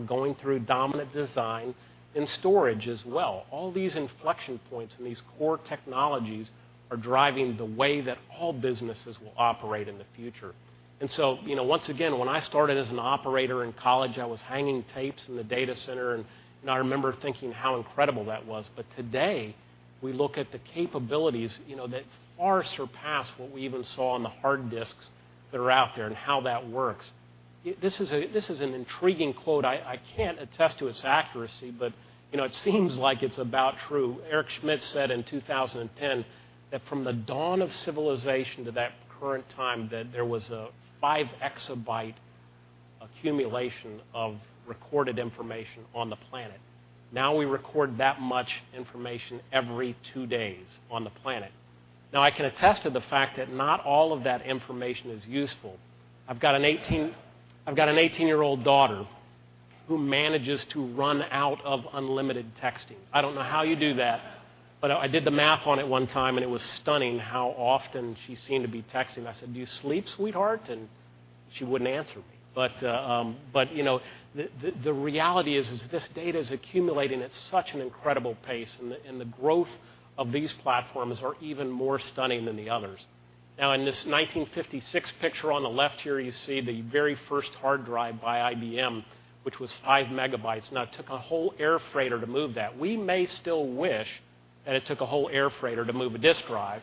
Speaker 3: dominant design in storage as well. All these inflection points and these core technologies are driving the way that all businesses will operate in the future. You know, once again, when I started as an operator in college, I was hanging tapes in the data center, and I remember thinking how incredible that was. But today, we look at the capabilities, you know, that far surpass what we even saw on the hard disks that are out there and how that works. T,his is an intriguing quote. I, I can't attest to its accuracy, but, you know, it seems like it's about true. Eric Schmidt said in 2010 that from the dawn of civilization to that current time, that there was a 5 EB accumulation of recorded information on the planet. Now, we record that much information every two days on the planet. Now, I can attest to the fact that not all of that information is useful. I've got an 18-year-old daughter who manages to run out of unlimited texting. I don't know how you do that, but I did the math on it one time, and it was stunning how often she seemed to be texting. I said, "Do you sleep, sweetheart?" She wouldn't answer me. But, you know, the reality is this data is accumulating at such an incredible pace, and the growth of these platforms are even more stunning than the others. Now, in this 1956 picture on the left here, you see the very first hard drive by IBM, which was 5 MB. Now, it took a whole air freighter to move that. We may still wish that it took a whole air freighter to move a disk drive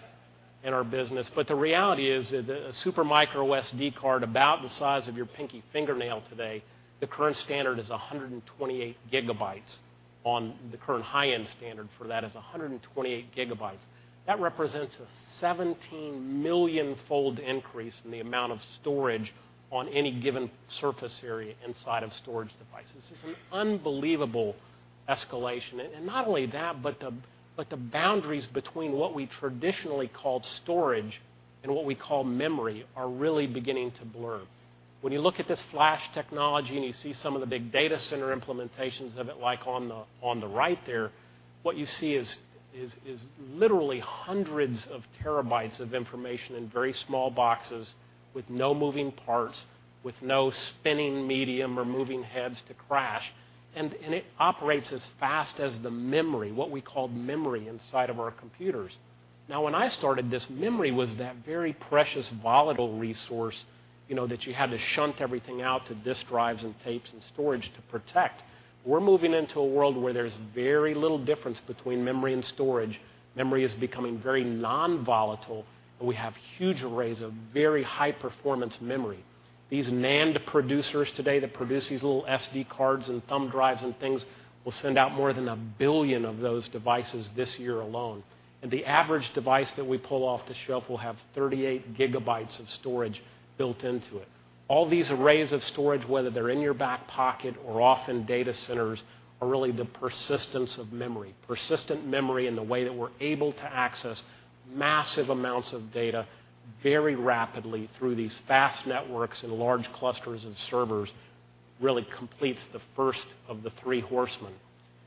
Speaker 3: in our business, but the reality is that a microSD card, about the size of your pinky fingernail today, the current standard is 128 GB—the current high-end standard for that is 128 GB. That represents a 17 million-fold increase in the amount of storage on any given surface area inside of storage devices. This is an unbelievable escalation. Not only that, but the boundaries between what we traditionally called storage and what we call memory are really beginning to blur. When you look at this flash technology, and you see some of the big data center implementations of it, like on the right there, what you see is literally hundreds of terabytes of information in very small boxes with no moving parts, with no spinning medium or moving heads to crash, and it operates as fast as the memory, what we call memory inside of our computers. Now, when I started this, memory was that very precious, volatile resource, you know, that you had to shunt everything out to disk drives and tapes and storage to protect. We're moving into a world where there's very little difference between memory and storage. Memory is becoming very non-volatile, and we have huge arrays of very high-performance memory. These NAND producers today, that produce these little SD cards and thumb drives and things, will send out more than 1 billion of those devices this year alone. And the average device that we pull off the shelf will have 38 GB of storage built into it. All these arrays of storage, whether they're in your back pocket or off in data centers, are really the persistence of memory. Persistent memory and the way that we're able to access massive amounts of data very rapidly through these fast networks and large clusters of servers, really completes the first of the three horsemen.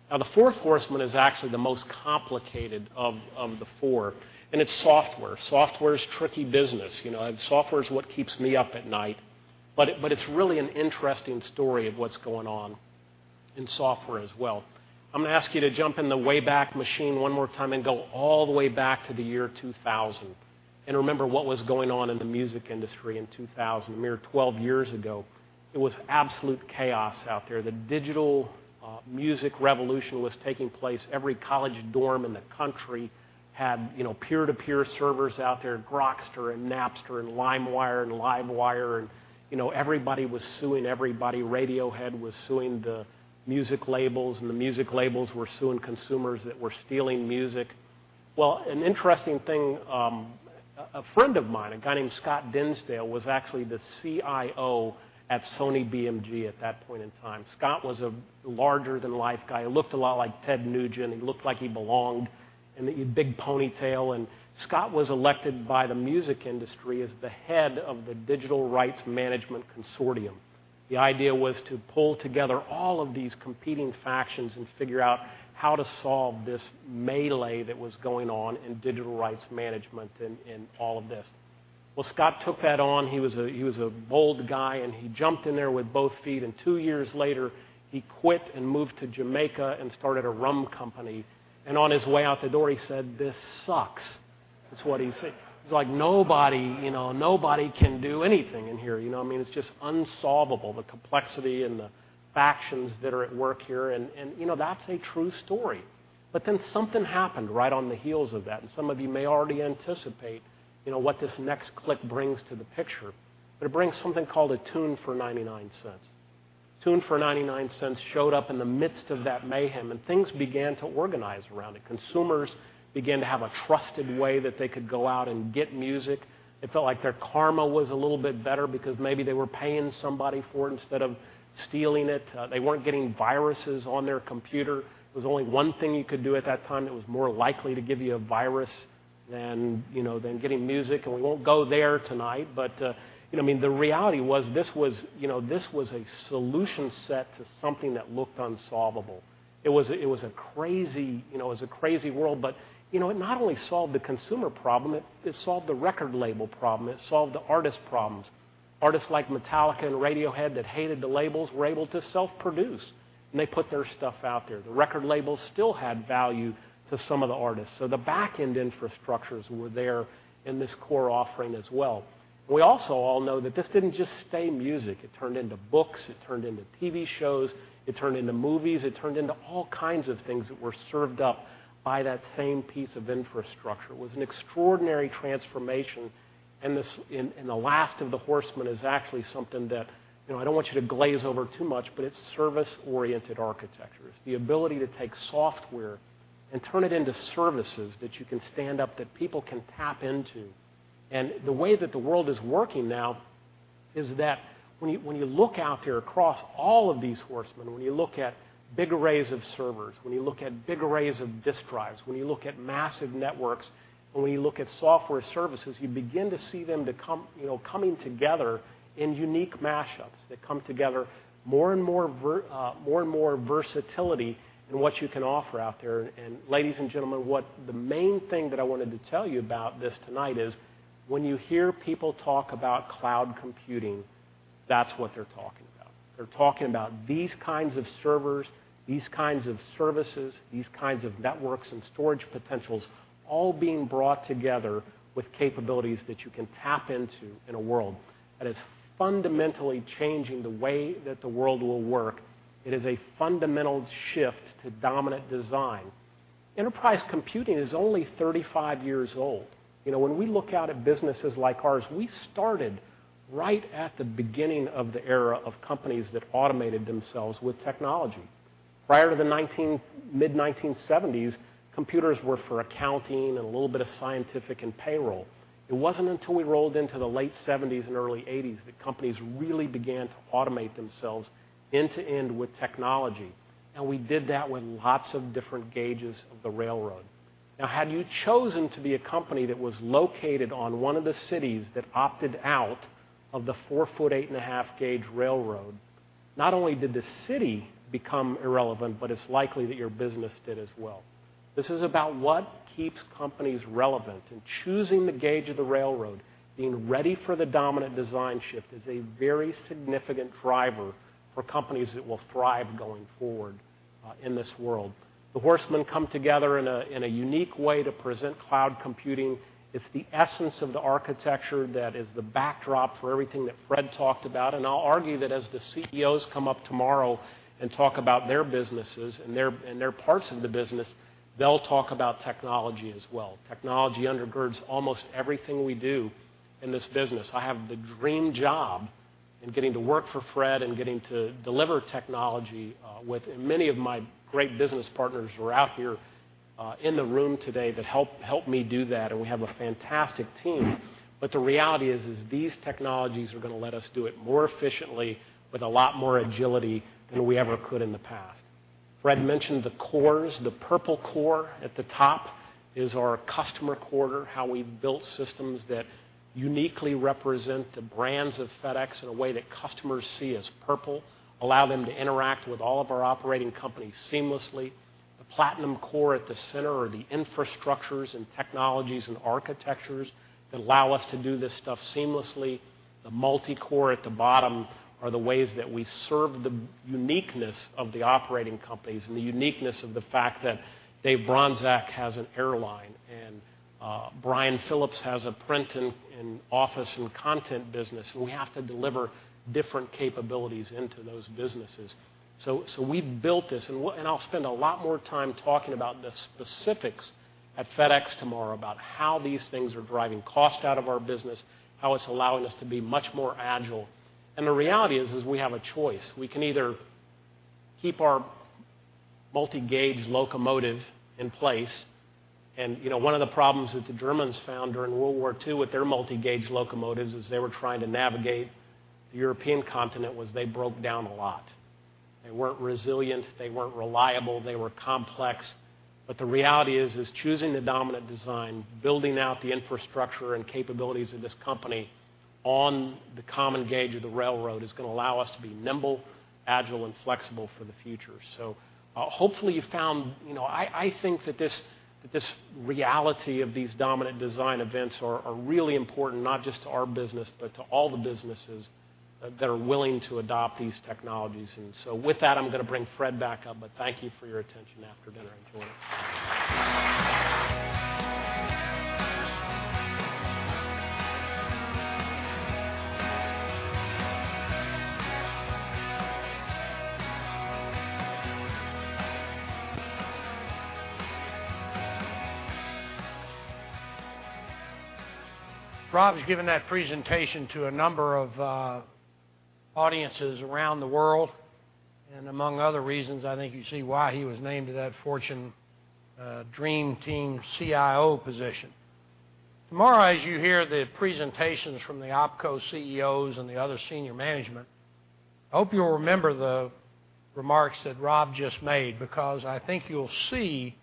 Speaker 3: Now, the fourth horseman is actually the most complicated of the four, and it's software. Software is tricky business. You know, and software is what keeps me up at night, but it's really an interesting story of what's going on in software as well. I'm going to ask you to jump in the way-back machine one more time and go all the way back to the year 2000 and remember what was going on in the music industry in 2000, a mere 12 years ago. It was absolute chaos out there. The digital music revolution was taking place. Every college dorm in the country had, you know, peer-to-peer servers out there, Grokster and Napster and LimeWire and LiveWire, and, you know, everybody was suing everybody. Radiohead was suing the music labels, and the music labels were suing consumers that were stealing music. Well, an interesting thing. A friend of mine, a guy named Scott Dinsdale, was actually the CIO at Sony BMG at that point in time. Scott was a larger-than-life guy, looked a lot like Ted Nugent, and he looked like he belonged, and he had big ponytail. Scott was elected by the music industry as the head of the Digital Rights Management Consortium. The idea was to pull together all of these competing factions and figure out how to solve this melee that was going on in digital rights management and, and all of this. Well, Scott took that on. He was a bold guy, and he jumped in there with both feet, and two years later, he quit and moved to Jamaica and started a rum company. On his way out the door, he said, "This sucks." That's what he said. He's like, "Nobody, you know, nobody can do anything in here, you know? I mean, it's just unsolvable, the complexity and the factions that are at work here." You know, that's a true story. But then something happened right on the heels of that, and some of you may already anticipate, you know, what this next clip brings to the picture. But it brings something called a tune for $0.99. Tune for $0.99 showed up in the midst of that mayhem, and things began to organize around it. Consumers began to have a trusted way that they could go out and get music. It felt like their karma was a little bit better because maybe they were paying somebody for it instead of stealing it. They weren't getting viruses on their computer. There was only one thing you could do at that time that was more likely to give you a virus than, you know, than getting music. We won't go there tonight, but, you know, I mean, the reality was, this was, you know, this was a solution set to something that looked unsolvable. It was a crazy, you know, it was a crazy world, but, you know, it not only solved the consumer problem, it solved the record label problem, it solved the artist problems. Artists like Metallica and Radiohead that hated the labels were able to self-produce, and they put their stuff out there. The record labels still had value to some of the artists, so the back-end infrastructures were there in this core offering as well. We also all know that this didn't just stay music. It turned into books, it turned into TV shows, it turned into movies, it turned into all kinds of things that were served up by that same piece of infrastructure. It was an extraordinary transformation and this, and the last of the horsemen is actually something that, you know, I don't want you to glaze over too much, but it's service-oriented architecture. It's the ability to take software and turn it into services that you can stand up, that people can tap into. The way that the world is working now is that when you, when you look out there across all of these horsemen, when you look at big arrays of servers, when you look at big arrays of disk drives, when you look at massive networks, and when you look at software services, you begin to see them to come, you know, coming together in unique mashups, that come together more and more versatility in what you can offer out there. Ladies and gentlemen, what the main thing that I wanted to tell you about this tonight is, when you hear people talk about cloud computing, that's what they're talking about. They're talking about these kinds of servers, these kinds of services, these kinds of networks and storage potentials, all being brought together with capabilities that you can tap into in a world that is fundamentally changing the way that the world will work. It is a fundamental dominant design. enterprise computing is only 35 years old. You know, when we look out at businesses like ours, we started right at the beginning of the era of companies that automated themselves with technology. Prior to the mid-1970s, computers were for accounting and a little bit of scientific and payroll. It wasn't until we rolled into the late 1970s and early 1980s that companies really began to automate themselves end-to-end with technology, and we did that with lots of different gauges of the railroad. Now, had you chosen to be a company that was located on one of the cities that opted out of the four-foot 8.5 gauge railroad, not only did the city become irrelevant, but it's likely that your business did as well. This is about what keeps companies relevant, and choosing the gauge of the railroad, being ready dominant design shift, is a very significant driver for companies that will thrive going forward in this world. The horsemen come together in a, in a unique way to present cloud computing. It's the essence of the architecture that is the backdrop for everything that Fred talked about. I'll argue that as the CEOs come up tomorrow and talk about their businesses and their, and their parts of the business, they'll talk about technology as well. Technology undergirds almost everything we do in this business. I have the dream job in getting to work for Fred and getting to deliver technology with... Many of my great business partners are out here in the room today that help, help me do that, and we have a fantastic team. But the reality is, is these technologies are gonna let us do it more efficiently, with a lot more agility than we ever could in the past. Fred mentioned the cores. The Purple Core at the top is our customer core, how we've built systems that uniquely represent the brands of FedEx in a way that customers see as purple, allow them to interact with all of our operating companies seamlessly. The Platinum Core at the center are the infrastructures and technologies and architectures that allow us to do this stuff seamlessly. The Multi-Core at the bottom are the ways that we serve the uniqueness of the operating companies and the uniqueness of the fact that Dave Bronczek has an airline, and Brian Phillips has a print and office and content business, and we have to deliver different capabilities into those businesses. We built this, and I'll spend a lot more time talking about the specifics at FedEx tomorrow, about how these things are driving cost out of our business, how it's allowing us to be much more agile. And the reality is, we have a choice. We can either keep our multi-gauge locomotive in place. And, you know, one of the problems that the Germans found during World War II with their multi-gauge locomotives, as they were trying to navigate the European continent, was they broke down a lot. They weren't resilient, they weren't reliable, they were complex. But the reality is, dominant design, building out the infrastructure and capabilities of this company on the common gauge of the railroad, is gonna allow us to be nimble, agile, and flexible for the future. Hopefully, you found... You know, I think that this, this reality dominant design events are, are really important, not just to our business, but to all the businesses that are willing to adopt these technologies. With that, I'm gonna bring Fred back up, but thank you for your attention after dinner. Enjoy.
Speaker 2: Rob's given that presentation to a number of audiences around the world, and among other reasons, I think you see why he was named to that Fortune Dream Team CIO position. Tomorrow, as you hear the presentations from the OpCo CEOs and the other senior management, I hope you'll remember the remarks that Rob just made, because I think you'll see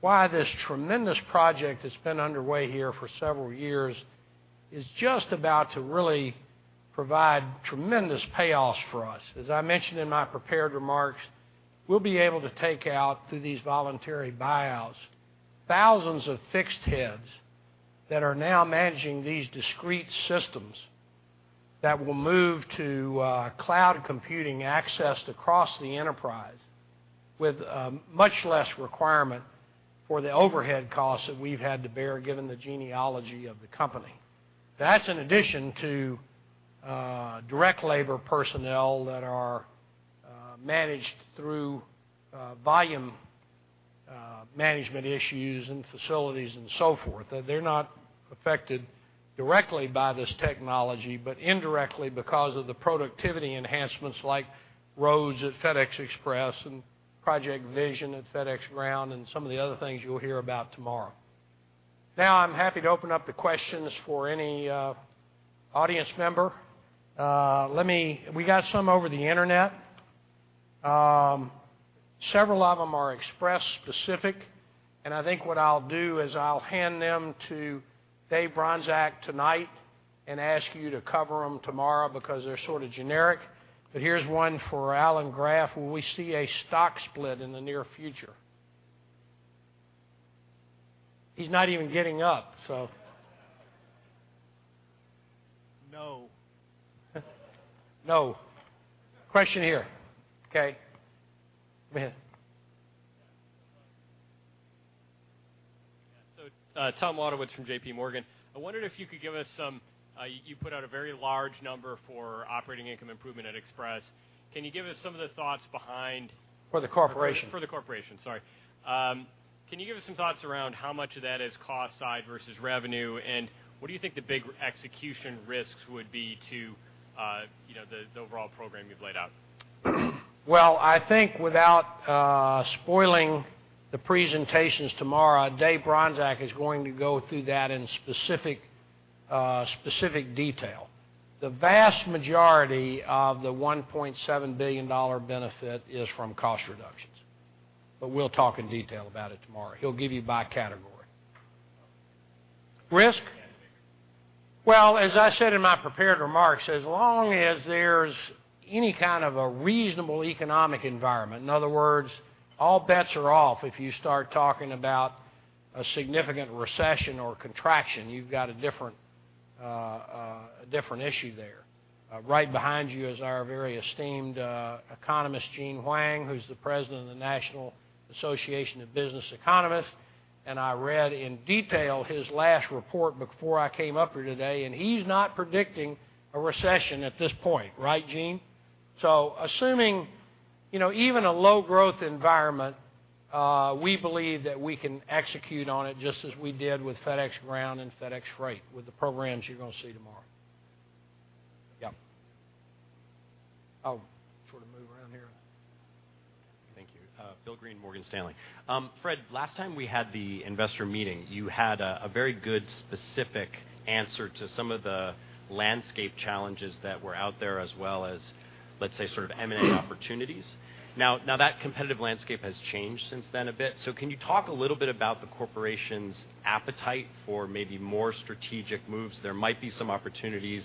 Speaker 2: why this tremendous project that's been underway here for several years is just about to really provide tremendous payoffs for us. As I mentioned in my prepared remarks, we'll be able to take out, through these voluntary buyouts, thousands of fixed heads that are now managing these discrete systems that will move to cloud computing accessed across the enterprise, with much less requirement for the overhead costs that we've had to bear, given the genealogy of the company. That's in addition to direct labor personnel that are managed through volume management issues and facilities and so forth. They're not affected directly by this technology, but indirectly because of the productivity enhancements like ROADS at FedEx Express and Project Vision at FedEx Ground, and some of the other things you'll hear about tomorrow. Now, I'm happy to open up the questions for any audience member. Let me. We got some over the internet. Several of them are Express specific, and I think what I'll do is I'll hand them to Dave Bronczek tonight and ask you to cover them tomorrow because they're sort of generic. But here's one for Alan Graf: Will we see a stock split in the near future? He's not even getting up.
Speaker 4: No.
Speaker 2: No. Question here. Okay. Go ahead.
Speaker 5: Yeah. Tom Wadewitz from J.P. Morgan. I wondered if you could give us some... You put out a very large number for operating income improvement at Express. Can you give us some of the thoughts behind...
Speaker 2: For the corporation?
Speaker 5: For the corporation, sorry. Can you give us some thoughts around how much of that is cost side versus revenue? What do you think the big execution risks would be to, you know, the overall program you've laid out?
Speaker 2: Well, I think without spoiling the presentations tomorrow, Dave Bronczek is going to go through that in specific, specific detail. The vast majority of the $1.7 billion benefit is from cost reductions, but we'll talk in detail about it tomorrow. He'll give you by category. Risk?
Speaker 5: Yeah.
Speaker 2: Well, as I said in my prepared remarks, as long as there's any kind of a reasonable economic environment, in other words, all bets are off if you start talking about a significant recession or contraction, you've got a different, a different issue there. Right behind you is our very esteemed economist, Gene Huang, who's the president of the National Association of Business Economists, and I read in detail his last report before I came up here today, and he's not predicting a recession at this point. Right, Gene? Assuming, you know, even a low growth environment, we believe that we can execute on it just as we did with FedEx Ground and FedEx Freight, with the programs you're going to see tomorrow. Yeah. I'll sort of move around here.
Speaker 6: Thank you. Bill Greene, Morgan Stanley. Fred, last time we had the investor meeting, you had a very good, specific answer to some of the landscape challenges that were out there, as well as, let's say, sort of eminent opportunities. Now that competitive landscape has changed since then a bit. Can you talk a little bit about the corporation's appetite for maybe more strategic moves? There might be some opportunities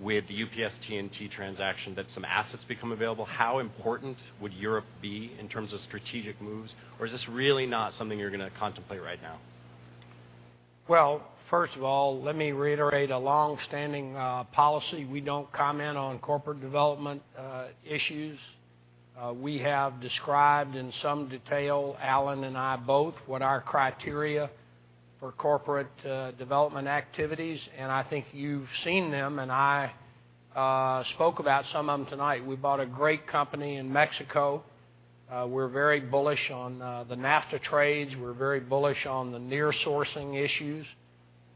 Speaker 6: with the UPS-TNT transaction that some assets become available. How important would Europe be in terms of strategic moves, or is this really not something you're going to contemplate right now?
Speaker 2: Well, first of all, let me reiterate a long-standing policy. We don't comment on corporate development issues. We have described in some detail, Alan and I both, what our criteria for corporate development activities, and I think you've seen them, and I spoke about some of them tonight. We bought a great company in Mexico. We're very bullish on the NAFTA trades. We're very bullish on the near sourcing issues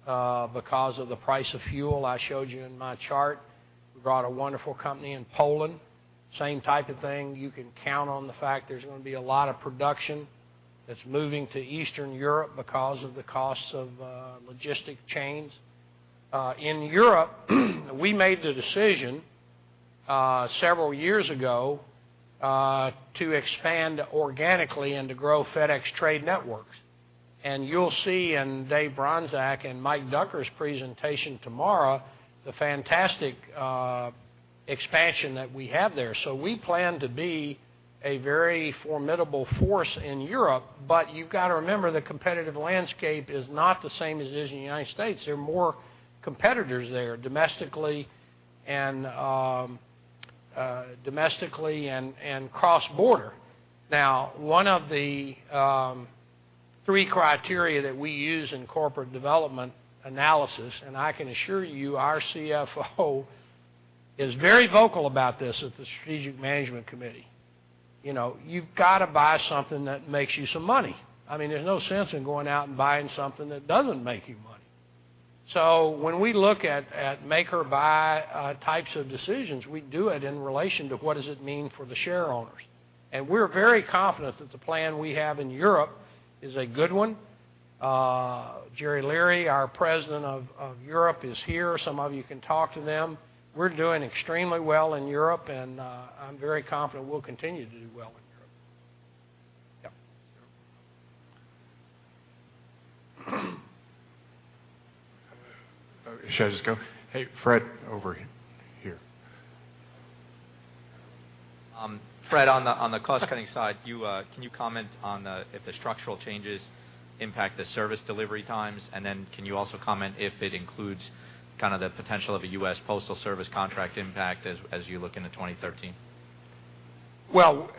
Speaker 2: because of the price of fuel. I showed you in my chart, we bought a wonderful company in Poland. Same type of thing. You can count on the fact there's going to be a lot of production that's moving to Eastern Europe because of the costs of logistic chains. In Europe, we made the decision several years ago to expand organically and to grow FedEx Trade Networks. You'll see in Dave Bronczek and Mike Ducker's presentation tomorrow, the fantastic expansion that we have there. We plan to be a very formidable force in Europe, but you've got to remember, the competitive landscape is not the same as it is in the United States. There are more competitors there, domestically and domestically and cross-border. Now, one of the three criteria that we use in corporate development analysis, and I can assure you, our CFO is very vocal about this at the Strategic Management Committee. You know, you've got to buy something that makes you some money. I mean, there's no sense in going out and buying something that doesn't make you money. When we look at make or buy, types of decisions, we do it in relation to what does it mean for the shareowners, and we're very confident that the plan we have in Europe is a good one. Jerry Leary, our President of, of Europe, is here. Some of you can talk to them. We're doing extremely well in Europe, and, I'm very confident we'll continue to do well in Europe. Yeah.
Speaker 7: Should I just go? Hey, Fred, over here. Fred, on the cost-cutting side, can you comment on if the structural changes impact the service delivery times? Then, can you also comment if it includes kind of the potential of a U.S. Postal Service contract impact as you look into 2013?
Speaker 2: Well,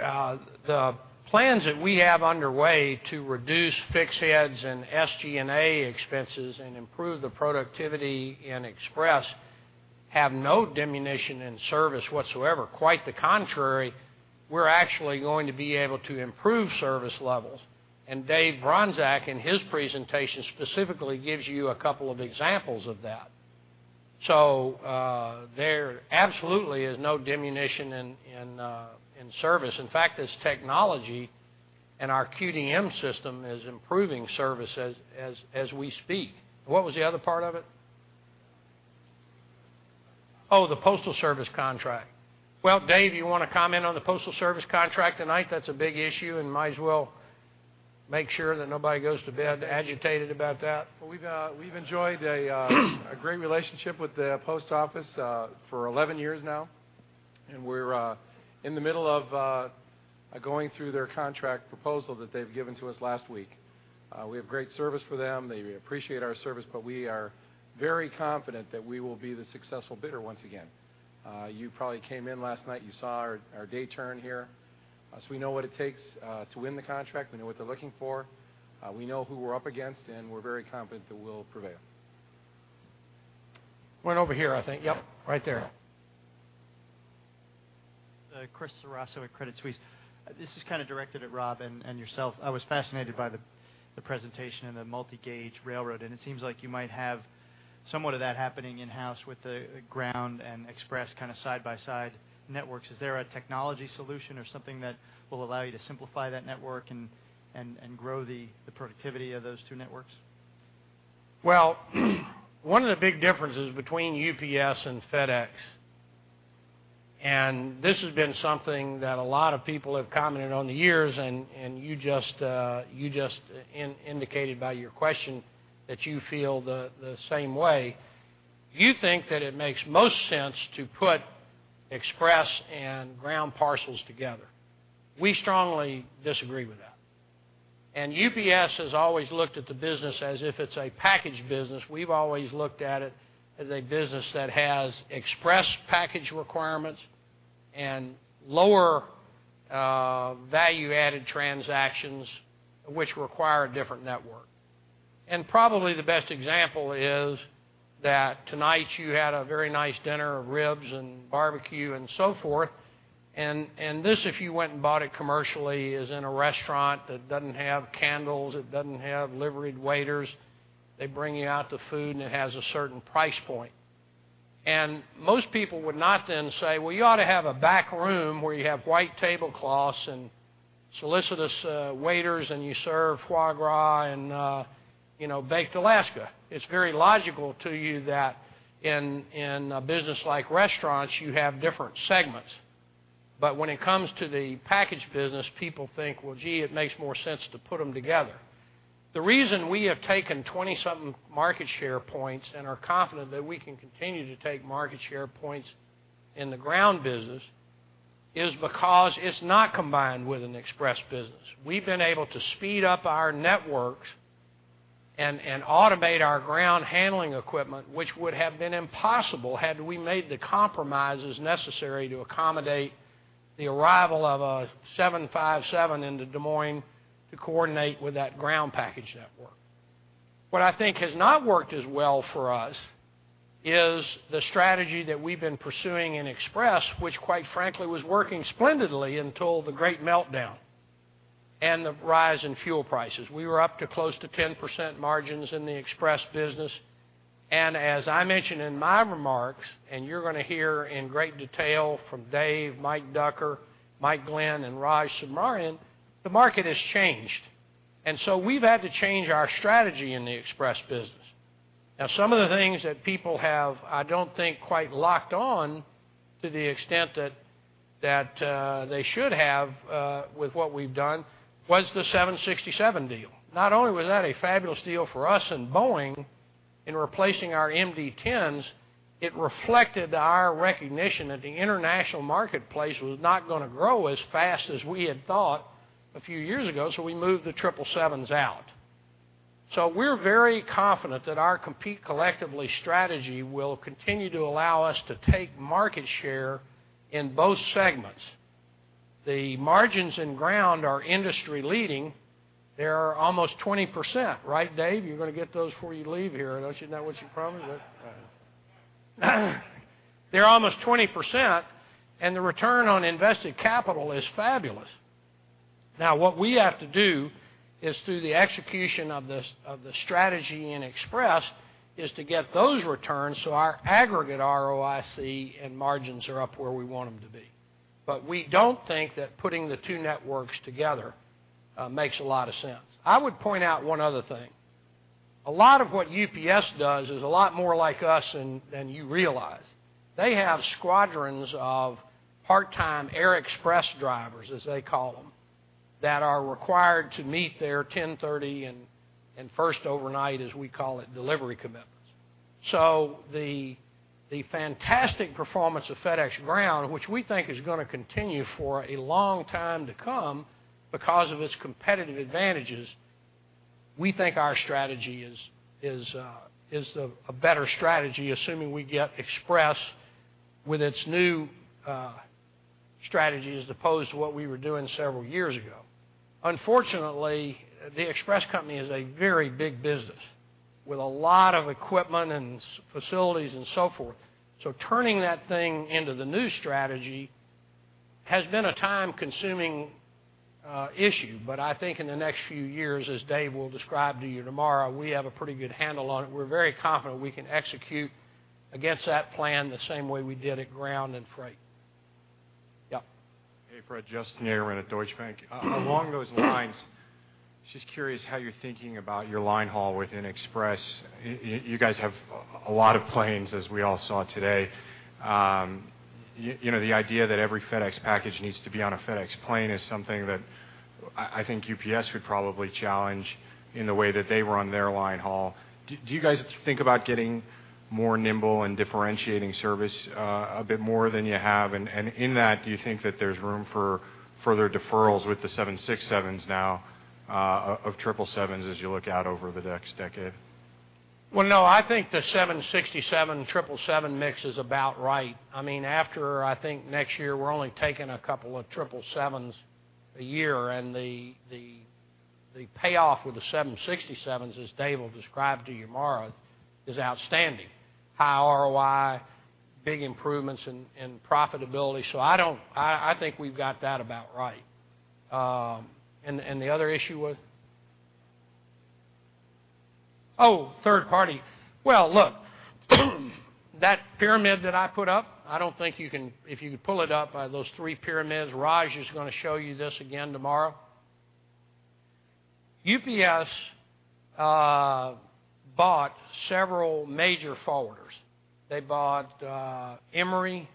Speaker 2: the plans that we have underway to reduce fixed heads and SG&A expenses and improve the productivity in Express have no diminution in service whatsoever. Quite the contrary, we're actually going to be able to improve service levels, and Dave Bronczek, in his presentation, specifically gives you a couple of examples of that. There absolutely is no diminution in service. In fact, this technology and our QDM system is improving service as we speak. What was the other part of it? Oh, the Postal Service contract. Well, Dave, you want to comment on the Postal Service contract tonight? That's a big issue, and might as well make sure that nobody goes to bed agitated about that.
Speaker 8: Well, we've enjoyed a great relationship with the Post Office for 11 years now, and we're in the middle of going through their contract proposal that they've given to us last week. We have great service for them. They appreciate our service, but we are very confident that we will be the successful bidder once again. You probably came in last night, you saw our day turn here. We know what it takes to win the contract. We know what they're looking for, we know who we're up against, and we're very confident that we'll prevail.
Speaker 2: One over here, I think. Yep, right there.
Speaker 9: Chris Ceraso at Credit Suisse. This is kind of directed at Rob and yourself. I was fascinated by the presentation and the multi-gauge railroad, and it seems like you might have somewhat of that happening in-house with the Ground and Express kind of side-by-side networks. Is there a technology solution or something that will allow you to simplify that network and grow the productivity of those two networks?
Speaker 2: Well, one of the big differences between UPS and FedEx, and this has been something that a lot of people have commented on over the years, and you just indicated by your question that you feel the same way. You think that it makes most sense to put Express and Ground parcels together. We strongly disagree with that. UPS has always looked at the business as if it's a package business. We've always looked at it as a business that has express package requirements and lower value-added transactions which require a different network. Probably the best example is that tonight you had a very nice dinner of ribs and barbecue and so forth. This, if you went and bought it commercially, is in a restaurant that doesn't have candles, it doesn't have liveried waiters. They bring you out the food, and it has a certain price point. Most people would not then say, "Well, you ought to have a back room where you have white tablecloths and solicitous waiters, and you serve foie gras and, you know, baked Alaska." It's very logical to you that in a business like restaurants, you have different segments. But when it comes to the package business, people think, "Well, gee, it makes more sense to put them together." The reason we have taken 20-something market share points and are confident that we can continue to take market share points in the Ground business, is because it's not combined with an Express business. We've been able to speed up our networks and automate our ground handling equipment, which would have been impossible had we made the compromises necessary to accommodate the arrival of a 757 into Des Moines to coordinate with that Ground package network. What I think has not worked as well for us is the strategy that we've been pursuing in Express, which, quite frankly, was working splendidly until the great meltdown and the rise in fuel prices. We were up to close to 10% margins in the Express business. As I mentioned in my remarks, and you're gonna hear in great detail from Dave, Mike Ducker, Mike Glenn, and Raj Subramaniam, the market has changed, and so we've had to change our strategy in the Express business. Now, some of the things that people have, I don't think, quite locked on to the extent that, that, they should have, with what we've done, was the 767 deal. Not only was that a fabulous deal for us and Boeing in replacing our MD-10s, it reflected our recognition that the international marketplace was not gonna grow as fast as we had thought a few years ago, so we moved the 777s out. We're very confident that our Compete Collectively strategy will continue to allow us to take market share in both segments. The margins in Ground are industry-leading. They're almost 20%. Right, Dave? You're gonna get those before you leave here, unless you know what you promised with. They're almost 20%, and the return on invested capital is fabulous. Now, what we have to do is, through the execution of this, of the strategy in Express, is to get those returns so our aggregate ROIC and margins are up where we want them to be. But we don't think that putting the two networks together makes a lot of sense. I would point out one other thing. A lot of what UPS does is a lot more like us than you realize. They have squadrons of part-time air express drivers, as they call them, that are required to meet their 10:30 A.M. and First Overnight, as we call it, delivery commitments. The fantastic performance of FedEx Ground, which we think is gonna continue for a long time to come because of its competitive advantages, we think our strategy is a better strategy, assuming we get Express with its new strategies, as opposed to what we were doing several years ago. Unfortunately, the Express company is a very big business, with a lot of equipment and facilities and so forth. Turning that thing into the new strategy has been a time-consuming issue. But I think in the next few years, as Dave will describe to you tomorrow, we have a pretty good handle on it. We're very confident we can execute against that plan the same way we did at Ground and Freight. Yeah?
Speaker 10: Hey, Fred, Justin Yagerman at Deutsche Bank. Along those lines, just curious how you're thinking about your line haul within Express. You guys have a lot of planes, as we all saw today. You know, the idea that every FedEx package needs to be on a FedEx plane is something that I think UPS would probably challenge in the way that they run their line haul. Do you guys think about getting more nimble and differentiating service a bit more than you have? And in that, do you think that there's room for further deferrals with the 767s now of 777s, as you look out over the next decade?
Speaker 2: Well, no, I think the 767, 777 mix is about right. I mean, after, I think, next year, we're only taking a couple of 777s a year, and the payoff with the 767s, as Dave will describe to you tomorrow, is outstanding. High ROI, big improvements in profitability, so I don't... I think we've got that about right. The other issue was? Oh, third party. Well, look, that pyramid that I put up, I don't think you can... If you could pull it up, those three pyramids, Raj is gonna show you this again tomorrow. UPS bought several major forwarders. They bought Emery.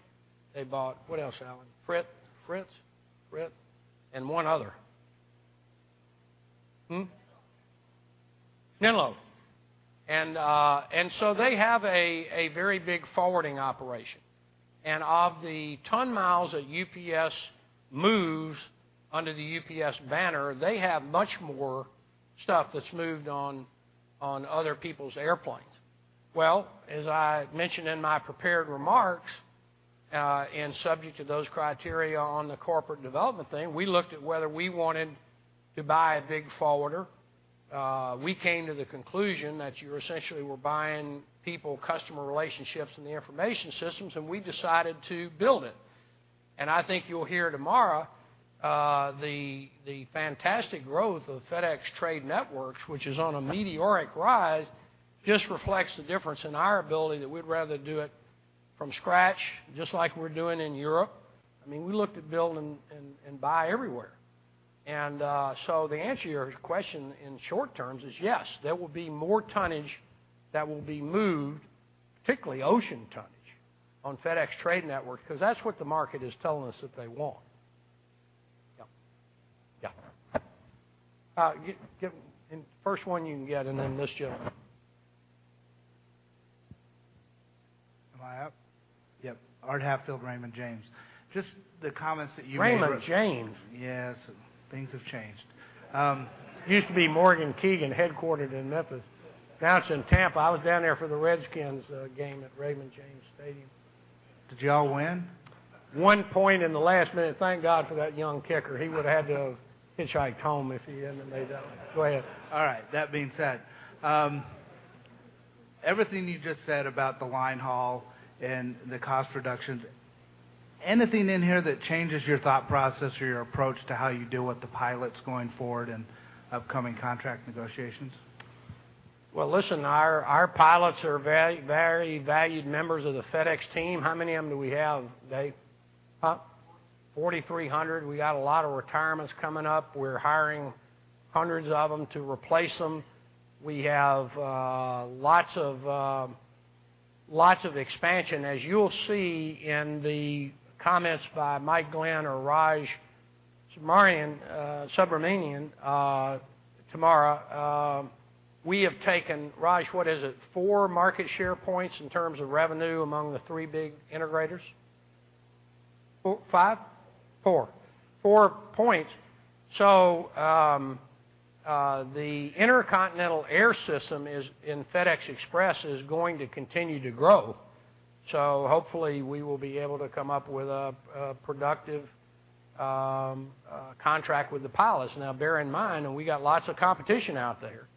Speaker 2: They bought, what else, Alan? Fritz, Fritz? Fritz, and one other. Hmm?
Speaker 4: Menlo.
Speaker 2: Menlo. They have a very big forwarding operation. Of the ton miles that UPS moves under the UPS banner, they have much more stuff that's moved on other people's airplanes. Well, as I mentioned in my prepared remarks, and subject to those criteria on the corporate development thing, we looked at whether we wanted to buy a big forwarder. We came to the conclusion that you essentially were buying people, customer relationships, and the information systems, and we decided to build it. I think you'll hear tomorrow, the fantastic growth of FedEx Trade Networks, which is on a meteoric rise, just reflects the difference in our ability, that we'd rather do it from scratch, just like we're doing in Europe. I mean, we looked at build and buy everywhere. The answer to your question in short terms is, yes, there will be more tonnage that will be moved, particularly ocean tonnage, on FedEx Trade Network, because that's what the market is telling us that they want. Yeah. Yeah. First one you can get, and then this gentleman.
Speaker 11: Am I up? Yep, Art Hatfield, Raymond James. Just the comments that you made...
Speaker 2: Raymond James?
Speaker 11: Yes, things have changed.
Speaker 2: Used to be Morgan Keegan, headquartered in Memphis. Now it's in Tampa. I was down there for the Redskins game at Raymond James Stadium.
Speaker 11: Did y'all win?
Speaker 2: One point in the last minute. Thank God for that young kicker. He would've had to hitchhike home if he hadn't have made that one. Go ahead.
Speaker 11: All right. That being said, everything you just said about the line haul and the cost reductions, anything in here that changes your thought process or your approach to how you deal with the pilots going forward in upcoming contract negotiations?
Speaker 2: Well, listen, our pilots are very, very valued members of the FedEx team. How many of them do we have, Dave? Huh? 43,000. We got a lot of retirements coming up. We're hiring hundreds of them to replace them. We have, lots of, lots of expansion. As you'll see in the comments by Mike Glenn or Raj Subramaniam, tomorrow, we have taken, Raj, what is it? Four market share points in terms of revenue among the three big integrators? Five? Four. Four points. The intercontinental air system is, in FedEx Express, is going to continue to grow. Hopefully, we will be able to come up with a, a productive, contract with the pilots. Now, bear in mind that we got lots of competition out there.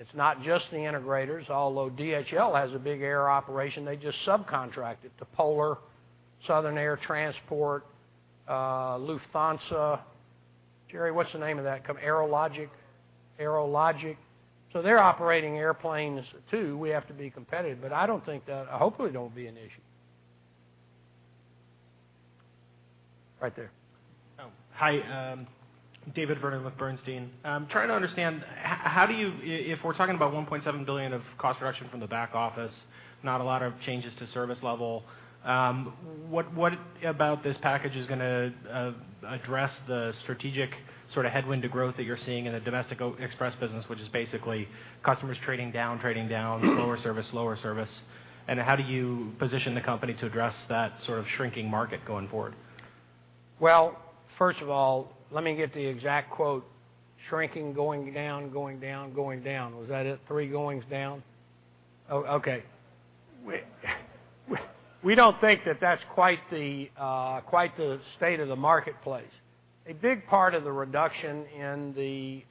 Speaker 2: It's not just the integrators, although DHL has a big air operation, they just subcontract it to Polar, Southern Air, Lufthansa. Jerry, what's the name of that company? AeroLogic? AeroLogic. They're operating airplanes, too. We have to be competitive, but I don't think that hopefully won't be an issue. Right there.
Speaker 12: Oh, hi, David Vernon with Bernstein. I'm trying to understand, how do you... if we're talking about $1.7 billion of cost reduction from the back office, not a lot of changes to service level, what about this package is gonna address the strategic sort of headwind to growth that you're seeing in the domestic Express business, which is basically customers trading down, slower service, lower service? How do you position the company to address that sort of shrinking market going forward?
Speaker 2: Well, first of all, let me get the exact quote, "Shrinking, going down, going down, going down." Was that it? Three goings down? Oh, okay. We don't think that that's quite the, quite the state of the marketplace. A big part of the reduction in the,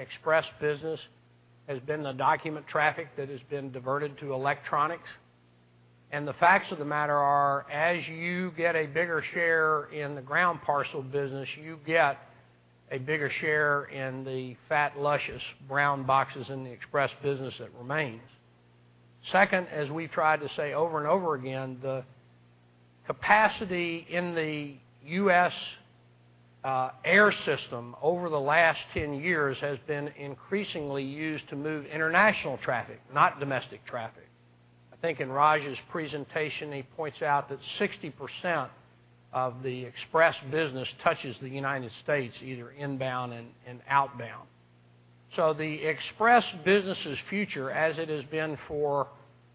Speaker 2: Express business has been the document traffic that has been diverted to electronics. The facts of the matter are, as you get a bigger share in the ground parcel business, you get a bigger share in the fat, luscious brown boxes in the Express business that remains. Second, as we've tried to say over and over again, the capacity in the U.S. air system over the last 10 years has been increasingly used to move international traffic, not domestic traffic. I think in Raj's presentation, he points out that 60% of the Express business touches the United States, either inbound and outbound. The Express business's future, as it has been for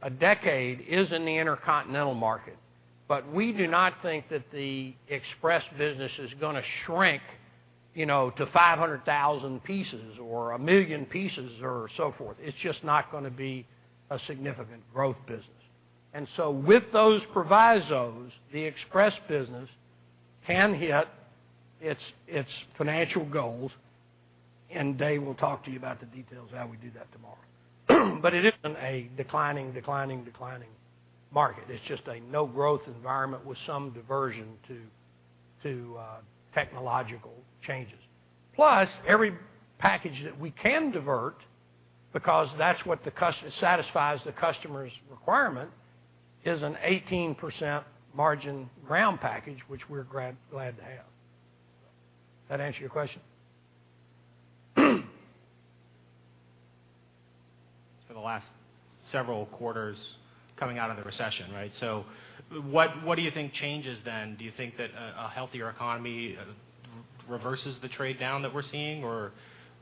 Speaker 2: a decade, is in the intercontinental market. But we do not think that the Express business is gonna shrink, you know, to 500,000 pieces or 1 million pieces or so forth. It's just not gonna be a significant growth business. With those provisos, the Express business can hit its financial goals, and Dave will talk to you about the details of how we do that tomorrow. But it isn't a declining market. It's just a no-growth environment with some diversion to technological changes. Plus, every package that we can divert, because that's what satisfies the customer's requirement, is an 18% margin ground package, which we're glad to have. That answer your question?
Speaker 12: For the last several quarters coming out of the recession, right? So what do you think changes then? Do you think that a healthier economy reverses the trade-down that we're seeing, or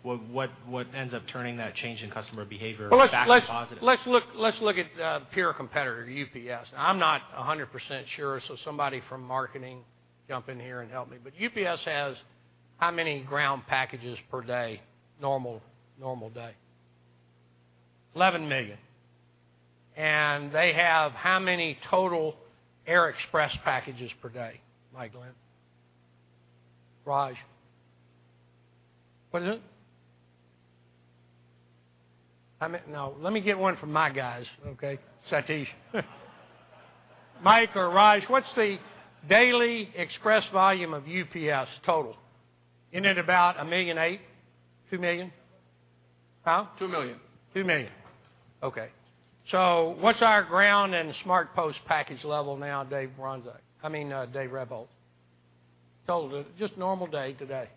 Speaker 12: what ends up turning that change in customer behavior back to positive?
Speaker 2: Well, let's look at a pure competitor, UPS. I'm not 100% sure, so somebody from marketing, jump in here and help me. But UPS has how many ground packages per day, normal day? 11 million. And they have how many total Air Express packages per day, Mike Glenn? Raj? What is it? I meant... No. Let me get one from my guys, okay, Satish. Mike or Raj, what's the daily express volume of UPS total? Isn't it about 1.8 million, 2 million? Huh?
Speaker 13: Two million.
Speaker 2: Two million. Okay. What's our ground and SmartPost package level now, Dave Bronczek, I mean, Dave Rebholz. Total, just normal day today.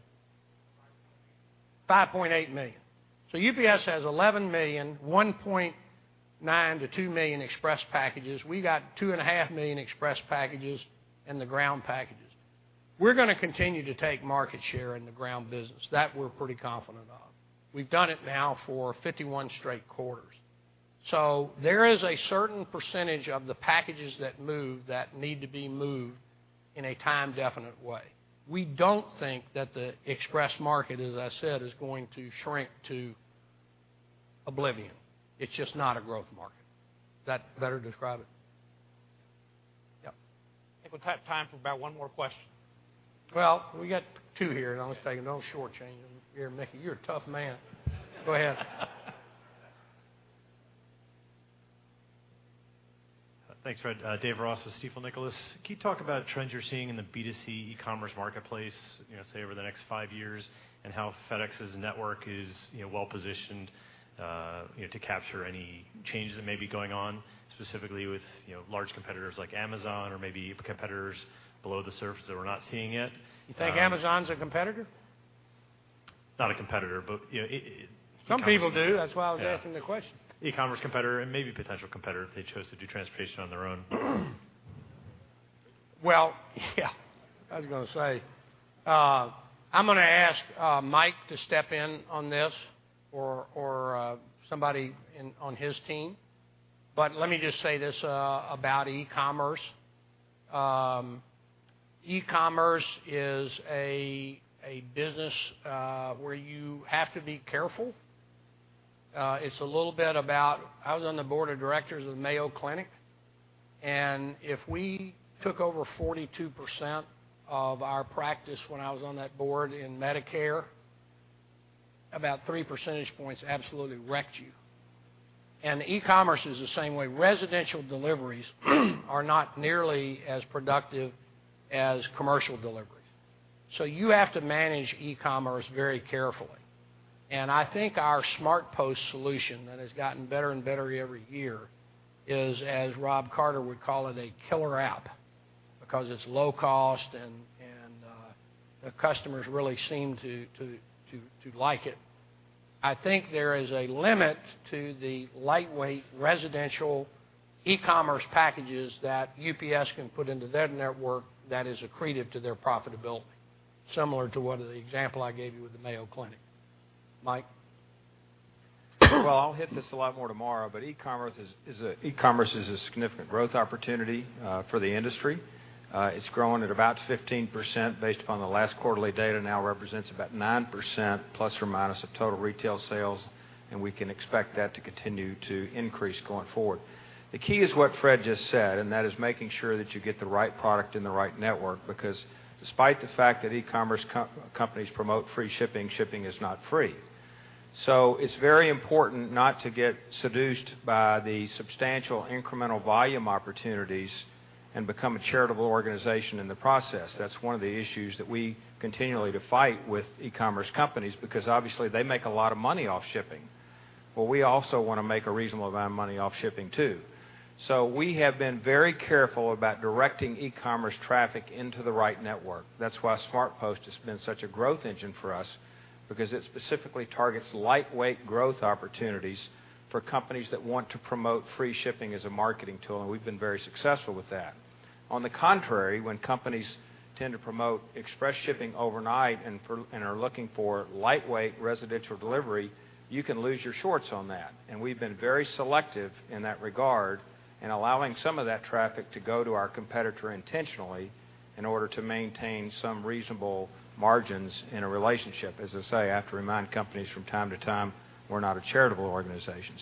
Speaker 2: 5.8 million. UPS has 11 million, 1.9-2 million express packages. We got 2.5 million express packages and the ground packages. We're gonna continue to take market share in the ground business. That we're pretty confident of. We've done it now for 51 straight quarters. There is a certain percentage of the packages that move, that need to be moved in a time-definite way. We don't think that the express market, as I said, is going to shrink to oblivion. It's just not a growth market. Does that better describe it? Yep.
Speaker 1: I think we've got time for about one more question.
Speaker 2: Well, we got two here, and I'm gonna say, don't shortchange them. You're... Mickey, you're a tough man. Go ahead.
Speaker 14: Thanks, Fred. Dave Ross with Stifel Nicolaus. Can you talk about trends you're seeing in the B2C e-commerce marketplace, you know, say, over the next five years, and how FedEx's network is, you know, well positioned, you know, to capture any changes that may be going on, specifically with, you know, large competitors like Amazon or maybe competitors below the surface that we're not seeing yet?
Speaker 2: You think Amazon's a competitor?
Speaker 14: Not a competitor, but, you know, it...
Speaker 2: Some people do. That's why I was asking the question.
Speaker 14: E-commerce competitor and maybe potential competitor if they chose to do transportation on their own.
Speaker 2: Well, yeah, I was gonna say, I'm gonna ask Mike to step in on this or somebody in on his team. But let me just say this about e-commerce. E-commerce is a business where you have to be careful. It's a little bit about... I was on the board of directors of the Mayo Clinic, and if we took over 42% of our practice when I was on that board in Medicare, about three percentage points absolutely wrecked you. And e-commerce is the same way. Residential deliveries are not nearly as productive as commercial deliveries. You have to manage e-commerce very carefully, and I think our SmartPost solution, that has gotten better and better every year, is, as Rob Carter would call it, a killer app, because it's low cost and the customers really seem to like it. I think there is a limit to the lightweight, residential e-commerce packages that UPS can put into their network that is accretive to their profitability, similar to what the example I gave you with the Mayo Clinic. Mike?
Speaker 13: Well, I'll hit this a lot more tomorrow, but e-commerce is a significant growth opportunity for the industry. It's growing at about 15%, based upon the last quarterly data, now represents about 9% ± of total retail sales, and we can expect that to continue to increase going forward. The key is what Fred just said, and that is making sure that you get the right product in the right network, because despite the fact that e-commerce companies promote free shipping, shipping is not free. It's very important not to get seduced by the substantial incremental volume opportunities and become a charitable organization in the process. That's one of the issues that we continually to fight with e-commerce companies, because obviously, they make a lot of money off shipping. But we also want to make a reasonable amount of money off shipping, too. We have been very careful about directing e-commerce traffic into the right network. That's why SmartPost has been such a growth engine for us, because it specifically targets lightweight growth opportunities for companies that want to promote free shipping as a marketing tool, and we've been very successful with that. On the contrary, when companies tend to promote express shipping overnight and are looking for lightweight residential delivery, you can lose your shorts on that. We've been very selective in that regard, in allowing some of that traffic to go to our competitor intentionally, in order to maintain some reasonable margins in a relationship. As I say, I have to remind companies from time to time, we're not a charitable organization.